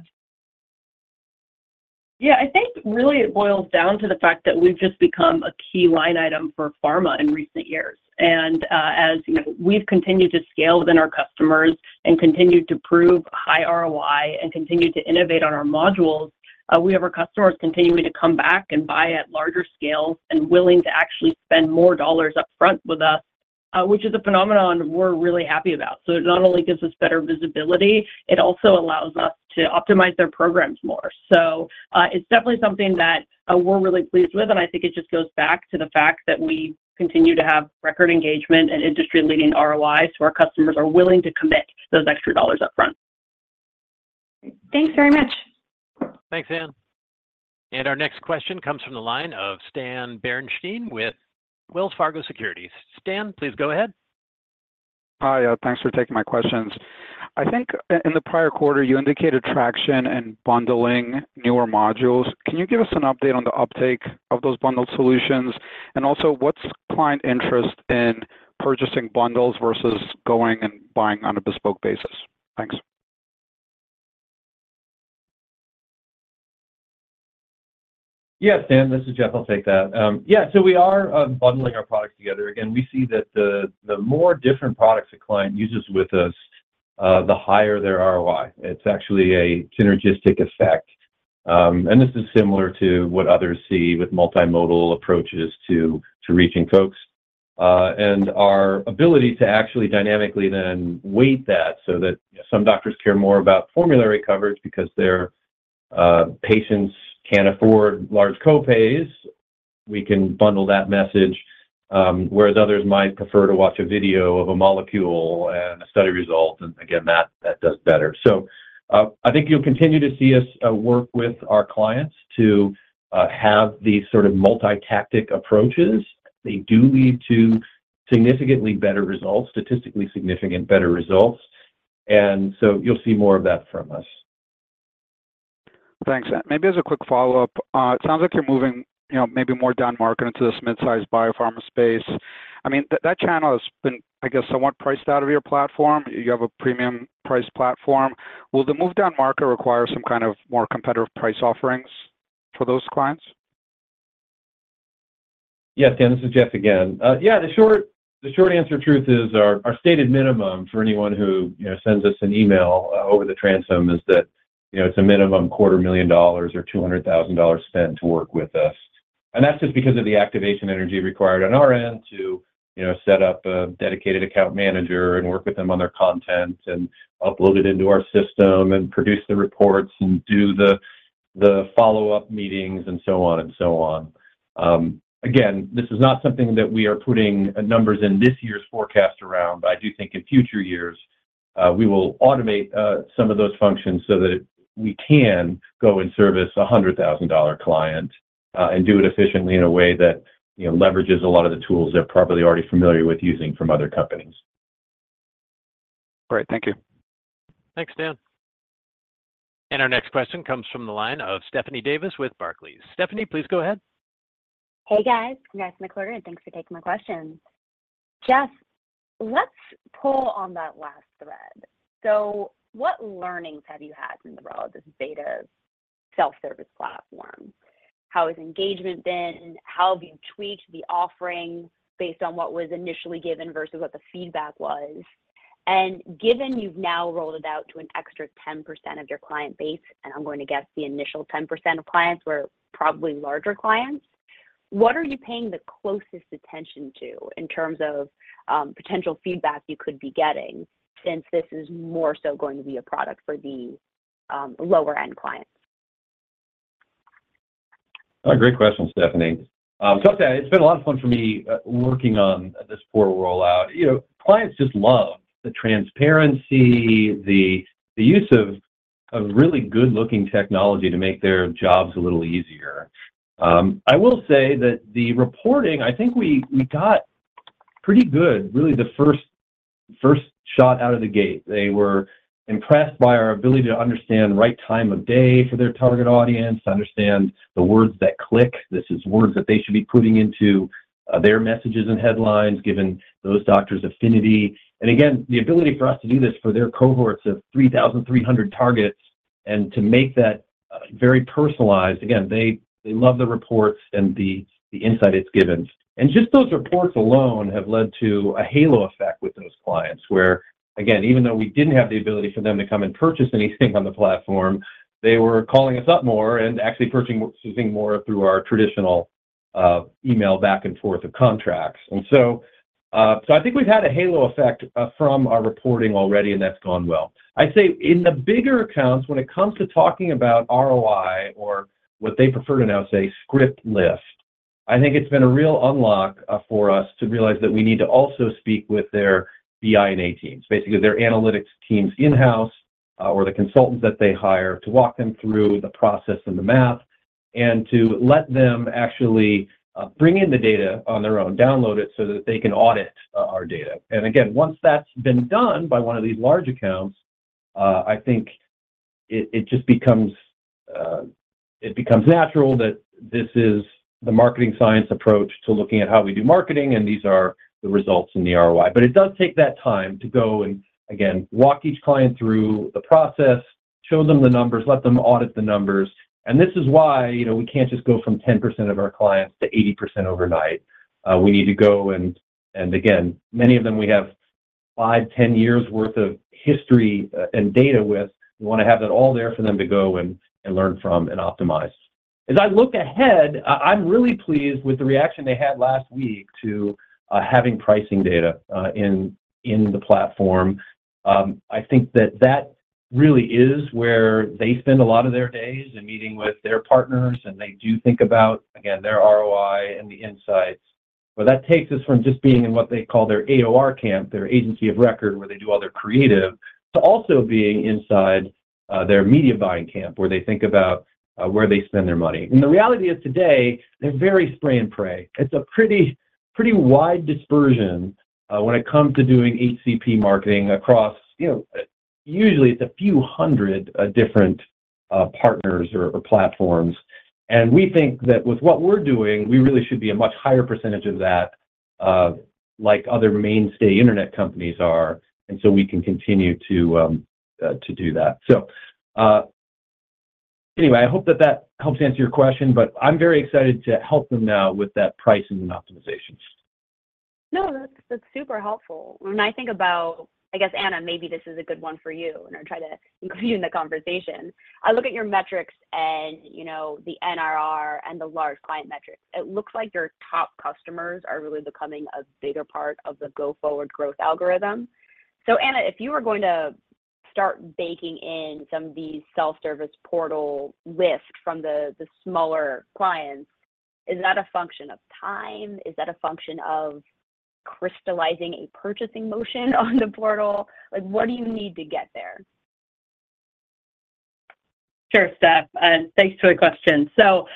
Yeah, I think really it boils down to the fact that we've just become a key line item for pharma in recent years. And, as you know, we've continued to scale within our customers and continued to prove high ROI and continued to innovate on our modules, we have our customers continuing to come back and buy at larger scales and willing to actually spend more dollars up front with us. ... which is a phenomenon we're really happy about. So it not only gives us better visibility, it also allows us to optimize their programs more. So, it's definitely something that, we're really pleased with, and I think it just goes back to the fact that we continue to have record engagement and industry-leading ROIs, so our customers are willing to commit those extra dollars upfront. Thanks very much. Thanks, Anne. And our next question comes from the line of Stan Berenshteyn with Wells Fargo Securities. Stan, please go ahead. Hi, thanks for taking my questions. I think in the prior quarter, you indicated traction and bundling newer modules. Can you give us an update on the uptake of those bundled solutions? And also, what's client interest in purchasing bundles versus going and buying on a bespoke basis? Thanks. Yeah, Stan, this is Jeff. I'll take that. Yeah, so we are bundling our products together. Again, we see that the more different products a client uses with us, the higher their ROI. It's actually a synergistic effect. And this is similar to what others see with multimodal approaches to reaching folks. And our ability to actually dynamically then weight that, so that some doctors care more about formulary coverage because their patients can't afford large co-pays, we can bundle that message. Whereas others might prefer to watch a video of a molecule and a study result, and again, that does better. So, I think you'll continue to see us work with our clients to have these sort of multi-tactic approaches. They do lead to significantly better results, statistically significant better results, and so you'll see more of that from us. Thanks. Maybe as a quick follow-up, it sounds like you're moving, you know, maybe more downmarket into this mid-sized biopharma space. I mean, that, that channel has been, I guess, somewhat priced out of your platform. You have a premium price platform. Will the move downmarket require some kind of more competitive price offerings for those clients? Yes, Stan, this is Jeff again. Yeah, the short answer truth is our stated minimum for anyone who, you know, sends us an email over the transom is that, you know, it's a minimum $250,000 or $200,000 spent to work with us. And that's just because of the activation energy required on our end to, you know, set up a dedicated account manager, and work with them on their content, and upload it into our system, and produce the reports, and do the follow-up meetings, and so on and so on. Again, this is not something that we are putting numbers in this year's forecast around, but I do think in future years, we will automate some of those functions so that we can go and service a $100,000 client, and do it efficiently in a way that, you know, leverages a lot of the tools they're probably already familiar with using from other companies. Great. Thank you. Thanks, Stan. Our next question comes from the line of Stephanie Davis with Barclays. Stephanie, please go ahead. Hey, guys. Congrats on the quarter, and thanks for taking my questions. Jeff, let's pull on that last thread. So what learnings have you had in the role of this beta self-service platform? How has engagement been, how have you tweaked the offering based on what was initially given versus what the feedback was? And given you've now rolled it out to an extra 10% of your client base, and I'm going to guess the initial 10% of clients were probably larger clients, what are you paying the closest attention to in terms of potential feedback you could be getting, since this is more so going to be a product for the lower-end clients? Great question, Stephanie. So it's been a lot of fun for me, working on this portal rollout. You know, clients just love the transparency, the use of really good-looking technology to make their jobs a little easier. I will say that the reporting, I think we got pretty good, really the first shot out of the gate. They were impressed by our ability to understand right time of day for their target audience, to understand the words that click. This is words that they should be putting into their messages and headlines, given those doctors' affinity. And again, the ability for us to do this for their cohorts of 3,300 targets and to make that very personalized. Again, they love the reports and the insight it's given. Just those reports alone have led to a halo effect with those clients, where, again, even though we didn't have the ability for them to come and purchase anything on the platform, they were calling us up more and actually purchasing, using more through our traditional, email back and forth of contracts. So I think we've had a halo effect from our reporting already, and that's gone well. I'd say in the bigger accounts, when it comes to talking about ROI or what they prefer to now say, script lift, I think it's been a real unlock, for us to realize that we need to also speak with their BI and AI teams, basically their analytics teams in-house, or the consultants that they hire, to walk them through the process and the math, and to let them actually, bring in the data on their own, download it so that they can audit, our data. And again, once that's been done by one of these large accounts, I think it just becomes natural that this is the marketing science approach to looking at how we do marketing, and these are the results and the ROI. But it does take that time to go and, again, walk each client through the process, show them the numbers, let them audit the numbers. And this is why, you know, we can't just go from 10% of our clients to 80% overnight. We need to go and again, many of them we have five, 10 years worth of history, and data with, we want to have that all there for them to go and, and learn from and optimize. As I look ahead, I'm really pleased with the reaction they had last week to having pricing data in the platform. I think that that really is where they spend a lot of their days in meeting with their partners, and they do think about, again, their ROI and the insights. But that takes us from just being in what they call their AOR camp, their agency of record, where they do all their creative, to also being inside, their media buying camp, where they think about, where they spend their money. And the reality is today, they're very spray and pray. It's a pretty, pretty wide dispersion, when it comes to doing HCP marketing across, you know, usually it's a few hundred, different, partners or, or platforms. And we think that with what we're doing, we really should be a much higher percentage of that, like other mainstay internet companies are, and so we can continue to, to do that. So, anyway, I hope that that helps answer your question, but I'm very excited to help them now with that pricing and optimization. No, that's, that's super helpful. When I think about... I guess, Anna, maybe this is a good one for you, and I'll try to include you in the conversation. I look at your metrics and, you know, the NRR and the large client metrics. It looks like your top customers are really becoming a bigger part of the go-forward growth algorithm. So Anna, if you were going to start baking in some of these self-service portal lift from the, the smaller clients, is that a function of time? Is that a function of crystallizing a purchasing motion on the portal? Like, what do you need to get there? Sure, Steph, and thanks for the question. So,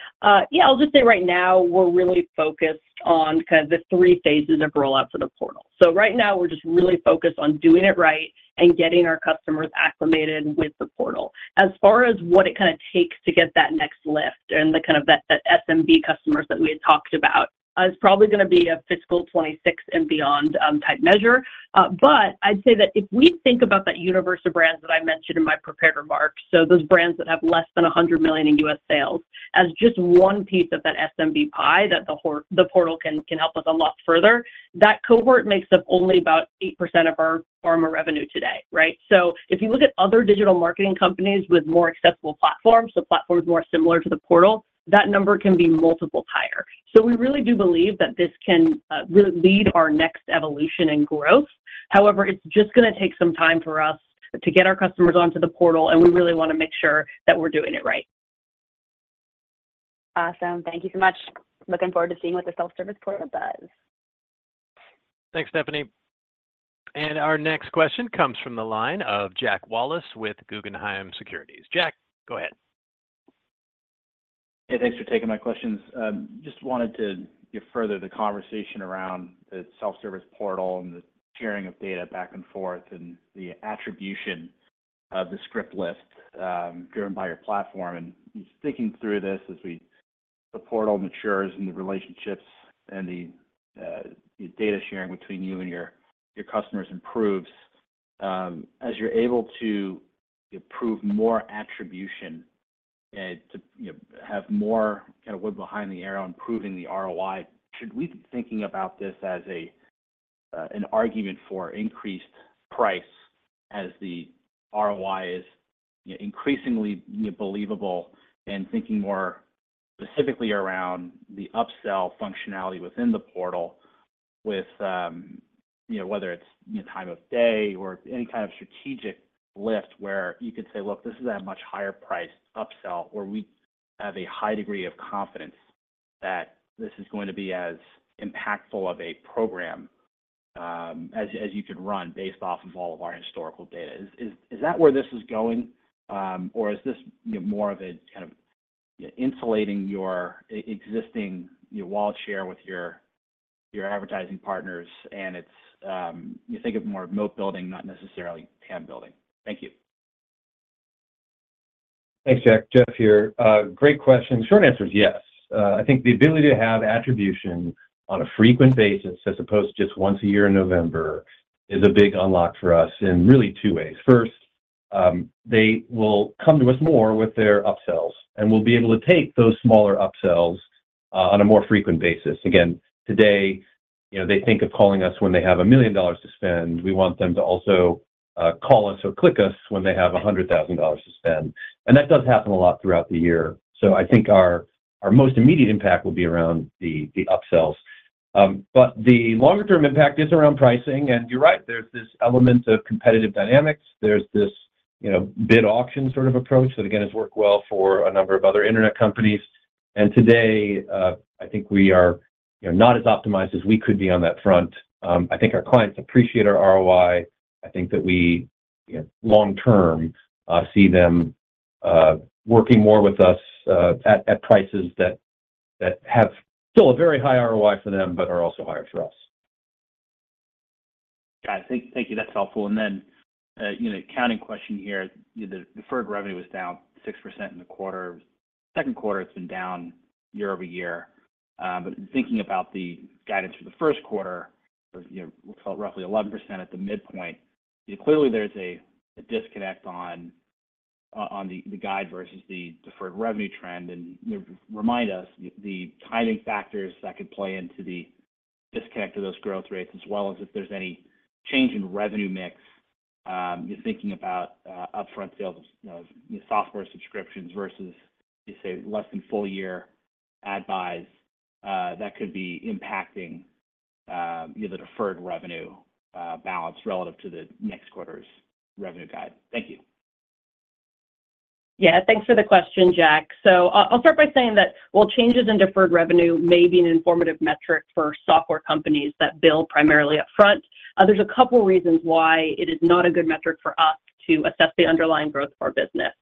yeah, I'll just say right now, we're really focused on kind of the three phases of rollout for the portal. So right now, we're just really focused on doing it right and getting our customers acclimated with the portal. As far as what it kind of takes to get that next lift and the kind of that, that SMB customers that we had talked about, it's probably gonna be a fiscal 2026 and beyond, type measure. But I'd say that if we think about that universe of brands that I mentioned in my prepared remarks, so those brands that have less than $100 million in U.S. sales, as just one piece of that SMB pie, that the portal can help us a lot further. That cohort makes up only about 8% of our pharma revenue today, right? So if you look at other digital marketing companies with more accessible platforms, so platforms more similar to the portal, that number can be multiples higher. So we really do believe that this can really lead our next evolution and growth. However, it's just gonna take some time for us to get our customers onto the portal, and we really wanna make sure that we're doing it right. Awesome. Thank you so much. Looking forward to seeing what the self-service portal does. Thanks, Stephanie. Our next question comes from the line of Jack Wallace with Guggenheim Securities. Jack, go ahead. Hey, thanks for taking my questions. Just wanted to get further the conversation around the self-service portal and the sharing of data back and forth, and the attribution of the script list driven by your platform. Thinking through this, as the portal matures and the relationships and the data sharing between you and your customers improves. As you're able to improve more attribution and to, you know, have more kind of wood behind the arrow on improving the ROI, should we be thinking about this as an argument for increased price, as the ROI is, you know, increasingly believable? Thinking more specifically around the upsell functionality within the portal with, you know, whether it's, you know, time of day or any kind of strategic lift, where you could say, "Look, this is a much higher price upsell, where we have a high degree of confidence that this is going to be as impactful of a program, as you could run based off of all of our historical data." Is that where this is going? Or is this, you know, more of a kind of insulating your existing, your wallet share with your, your advertising partners, and it's, you think of it more moat building, not necessarily dam building? Thank you. Thanks, Jack. Jeff here. Great question. Short answer is yes. I think the ability to have attribution on a frequent basis, as opposed to just once a year in November, is a big unlock for us in really two ways. First, they will come to us more with their upsells, and we'll be able to take those smaller upsells on a more frequent basis. Again, today, you know, they think of calling us when they have $1 million to spend. We want them to also call us or click us when they have $100,000 to spend, and that does happen a lot throughout the year. So I think our most immediate impact will be around the upsells. But the longer term impact is around pricing, and you're right, there's this element of competitive dynamics. There's this, you know, bid auction sort of approach that, again, has worked well for a number of other internet companies. And today, I think we are, you know, not as optimized as we could be on that front. I think our clients appreciate our ROI. I think that we, you know, long term, see them working more with us at prices that have still a very high ROI for them but are also higher for us. Got it. Thank you. That's helpful. And then, you know, accounting question here. The deferred revenue was down 6% in the quarter. Second quarter, it's been down year-over-year. But in thinking about the guidance for the first quarter, you know, we call it roughly 11% at the midpoint. Clearly, there's a disconnect on the guide versus the deferred revenue trend, and, you know, remind us the timing factors that could play into the disconnect of those growth rates, as well as if there's any change in revenue mix. You're thinking about upfront sales of, you know, software subscriptions versus, let's say less than full year ad buys that could be impacting the deferred revenue balance relative to the next quarter's revenue guide. Thank you. Yeah, thanks for the question, Jack. So I'll start by saying that while changes in deferred revenue may be an informative metric for software companies that bill primarily upfront, there's a couple reasons why it is not a good metric for us to assess the underlying growth of our business.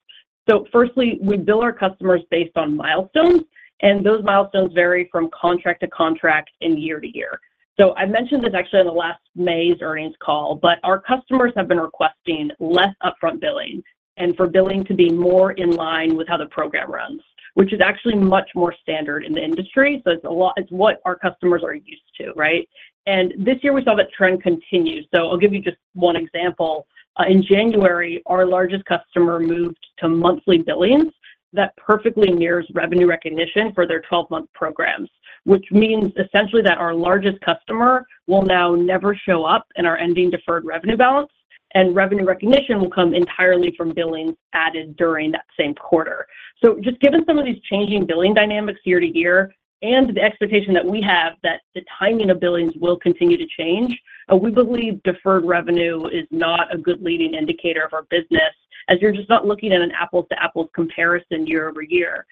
So firstly, we bill our customers based on milestones, and those milestones vary from contract to contract and year to year. So I mentioned this actually on the last May's earnings call, but our customers have been requesting less upfront billing and for billing to be more in line with how the program runs, which is actually much more standard in the industry. So it's a lot—it's what our customers are used to, right? And this year, we saw that trend continue. So I'll give you just one example. In January, our largest customer moved to monthly billings. That perfectly mirrors revenue recognition for their 12-month programs, which means essentially that our largest customer will now never show up in our ending deferred revenue balance, and revenue recognition will come entirely from billings added during that same quarter. So just given some of these changing billing dynamics year-over-year, and the expectation that we have that the timing of billings will continue to change, we believe deferred revenue is not a good leading indicator of our business, as you're just not looking at an apples-to-apples comparison year-over-year.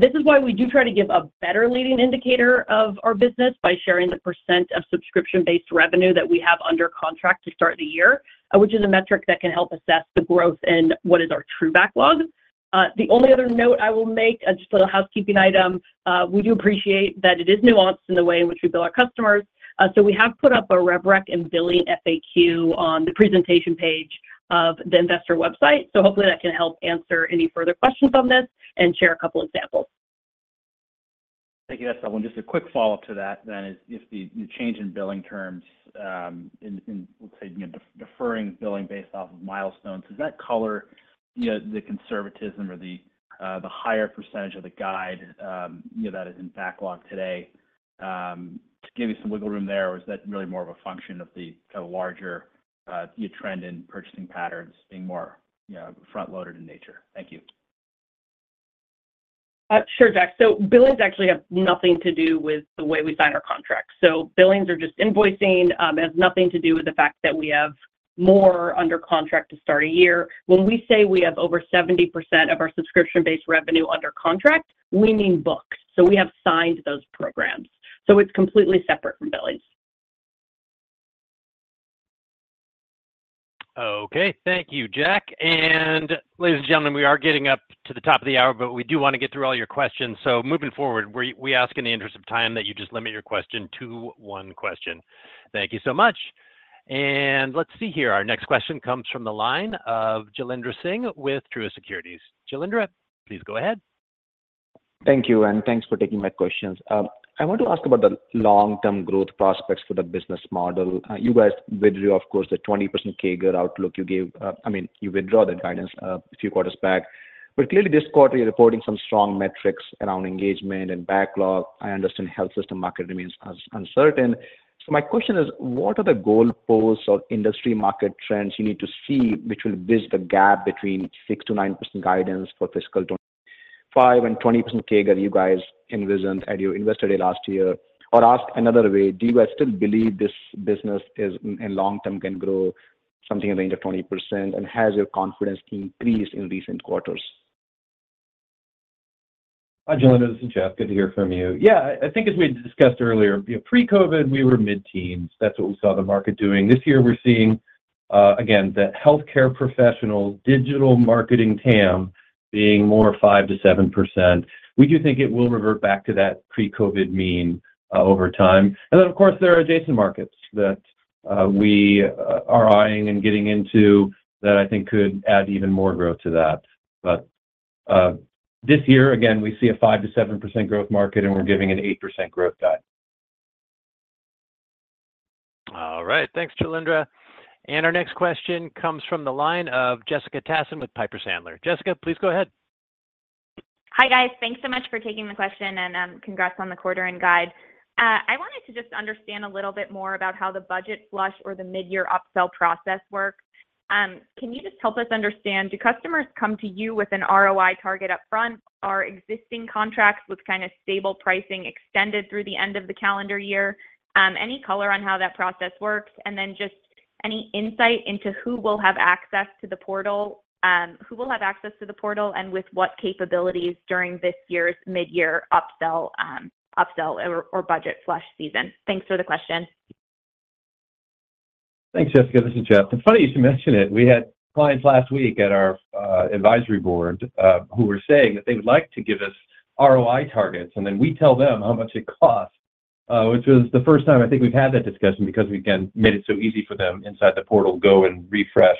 This is why we do try to give a better leading indicator of our business by sharing the percent of subscription-based revenue that we have under contract to start the year, which is a metric that can help assess the growth in what is our true backlog. The only other note I will make, just a little housekeeping item, we do appreciate that it is nuanced in the way in which we bill our customers. So we have put up a rev rec and billing FAQ on the presentation page of the investor website. So hopefully that can help answer any further questions on this and share a couple examples. Thank you. That's just a quick follow-up to that then. Is, if the change in billing terms, in let's say, you know, deferring billing based off of milestones, does that color, you know, the conservatism or the higher percentage of the guide, you know, that is in backlog today, to give you some wiggle room there? Or is that really more of a function of the kind of larger trend in purchasing patterns being more, you know, front-loaded in nature? Thank you. Sure, Jack. So billings actually have nothing to do with the way we sign our contracts. So billings are just invoicing, it has nothing to do with the fact that we have more under contract to start a year. When we say we have over 70% of our subscription-based revenue under contract, we mean booked. So we have signed those programs, so it's completely separate from billings. Okay. Thank you, Jack. And ladies and gentlemen, we are getting up to the top of the hour, but we do wanna get through all your questions. So moving forward, we, we ask in the interest of time that you just limit your question to one question. Thank you so much. And let's see here. Our next question comes from the line of Jailendra Singh with Truist Securities. Jailendra, please go ahead. Thank you, and thanks for taking my questions. I want to ask about the long-term growth prospects for the business model. You guys withdrew, of course, the 20% CAGR outlook you gave. I mean, you withdraw that guidance a few quarters back. But clearly this quarter, you're reporting some strong metrics around engagement and backlog. I understand health system market remains as uncertain. So my question is: What are the goalposts or industry market trends you need to see, which will bridge the gap between 6%-9% guidance for fiscal 2025 and 20% CAGR you guys envisioned at your investor day last year? Or asked another way, do you guys still believe this business is, in long term, can grow something in the range of 20%, and has your confidence increased in recent quarters? Hi, Jailendra, this is Jeff. Good to hear from you. Yeah, I think as we discussed earlier, pre-COVID, we were mid-teens. That's what we saw the market doing. This year we're seeing, again, the healthcare professional digital marketing TAM being more 5%-7%. We do think it will revert back to that pre-COVID mean, over time. And then, of course, there are adjacent markets that, we are eyeing and getting into that I think could add even more growth to that. But, this year, again, we see a 5%-7% growth market, and we're giving an 8% growth guide. All right. Thanks, Jailendra. Our next question comes from the line of Jessica Tassan with Piper Sandler. Jessica, please go ahead. Hi, guys. Thanks so much for taking the question, and congrats on the quarter and guide. I wanted to just understand a little bit more about how the budget flush or the mid-year upsell process works. Can you just help us understand, do customers come to you with an ROI target upfront? Are existing contracts with kind of stable pricing extended through the end of the calendar year? Any color on how that process works, and then just any insight into who will have access to the portal and with what capabilities during this year's mid-year upsell or budget flush season? Thanks for the question. Thanks, Jessica. This is Jeff. It's funny you should mention it. We had clients last week at our advisory board who were saying that they would like to give us ROI targets, and then we tell them how much it costs, which was the first time I think we've had that discussion, because we, again, made it so easy for them inside the portal to go and refresh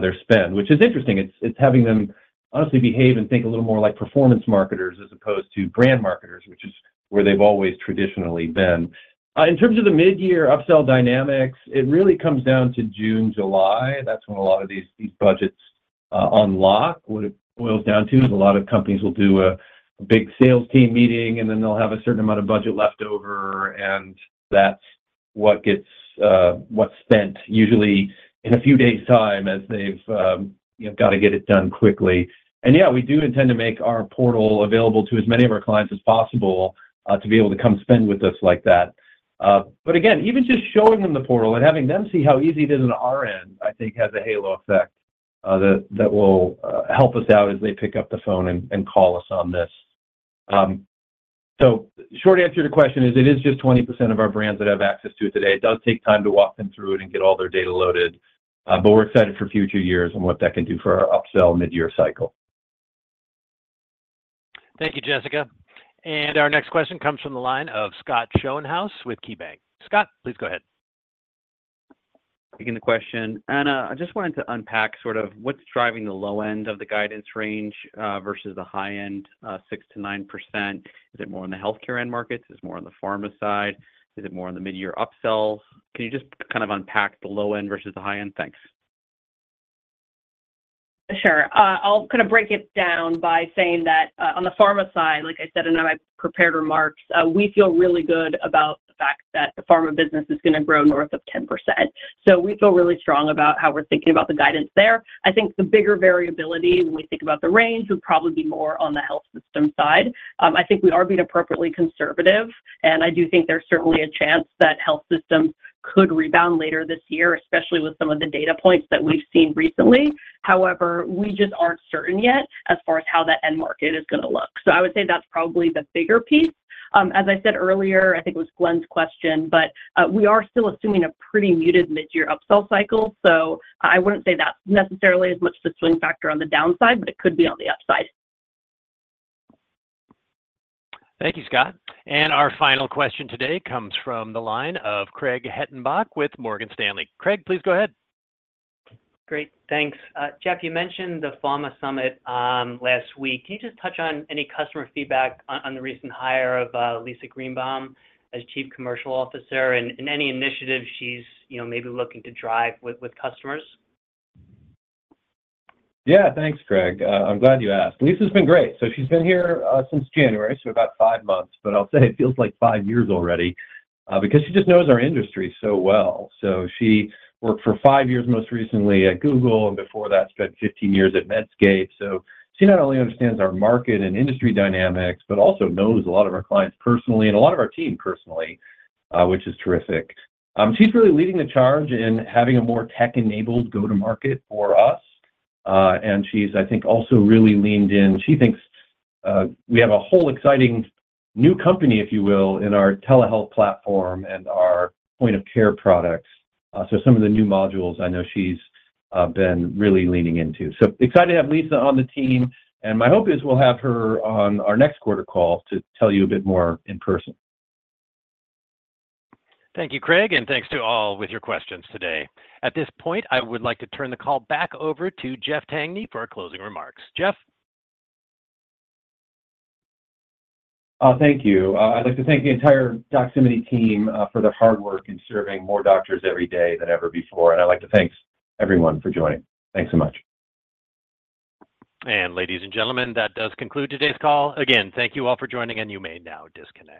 their spend, which is interesting. It's having them honestly behave and think a little more like performance marketers as opposed to brand marketers, which is where they've always traditionally been. In terms of the mid-year upsell dynamics, it really comes down to June, July. That's when a lot of these budgets unlock. What it boils down to is a lot of companies will do a big sales team meeting, and then they'll have a certain amount of budget left over, and that's what gets what's spent, usually in a few days' time, as they've you know got to get it done quickly. And yeah, we do intend to make our portal available to as many of our clients as possible, to be able to come spend with us like that. But again, even just showing them the portal and having them see how easy it is on our end, I think has a halo effect, that will help us out as they pick up the phone and call us on this. So short answer to your question is, it is just 20% of our brands that have access to it today. It does take time to walk them through it and get all their data loaded, but we're excited for future years and what that can do for our upsell mid-year cycle. Thank you, Jessica. Our next question comes from the line of Scott Schoenhaus with KeyBank. Scott, please go ahead. ... Thank you for the question. Anna, I just wanted to unpack sort of what's driving the low end of the guidance range, 6%-9%. Is it more on the healthcare end markets? Is it more on the pharma side? Is it more on the mid-year upsells? Can you just kind of unpack the low end versus the high end? Thanks. Sure. I'll kind of break it down by saying that, on the pharma side, like I said in my prepared remarks, we feel really good about the fact that the pharma business is gonna grow north of 10%. So we feel really strong about how we're thinking about the guidance there. I think the bigger variability when we think about the range, would probably be more on the health system side. I think we are being appropriately conservative, and I do think there's certainly a chance that health systems could rebound later this year, especially with some of the data points that we've seen recently. However, we just aren't certain yet, as far as how that end market is gonna look. So I would say that's probably the bigger piece. As I said earlier, I think it was Glenn's question, but we are still assuming a pretty muted mid-year upsell cycle. So I wouldn't say that's necessarily as much the swing factor on the downside, but it could be on the upside. Thank you, Scott. Our final question today comes from the line of Craig Hettenbach with Morgan Stanley. Craig, please go ahead. Great, thanks. Jeff, you mentioned the pharma summit last week. Can you just touch on any customer feedback on the recent hire of Lisa Greenbaum as Chief Commercial Officer, and any initiatives she's, you know, maybe looking to drive with customers? Yeah, thanks, Craig. I'm glad you asked. Lisa's been great. So she's been here since January, so about five months, but I'll say it feels like five years already because she just knows our industry so well. So she worked for five years, most recently at Google, and before that, spent 15 years at Medscape. So she not only understands our market and industry dynamics, but also knows a lot of our clients personally, and a lot of our team personally, which is terrific. She's really leading the charge in having a more tech-enabled go-to-market for us. And she's, I think, also really leaned in. She thinks we have a whole exciting new company, if you will, in our telehealth platform and our point-of-care products. So some of the new modules I know she's been really leaning into. So excited to have Lisa on the team, and my hope is we'll have her on our next quarter call to tell you a bit more in person. Thank you, Craig, and thanks to all with your questions today. At this point, I would like to turn the call back over to Jeff Tangney for our closing remarks. Jeff? Thank you. I'd like to thank the entire Doximity team for their hard work in serving more doctors every day than ever before, and I'd like to thank everyone for joining. Thanks so much. Ladies and gentlemen, that does conclude today's call. Again, thank you all for joining, and you may now disconnect.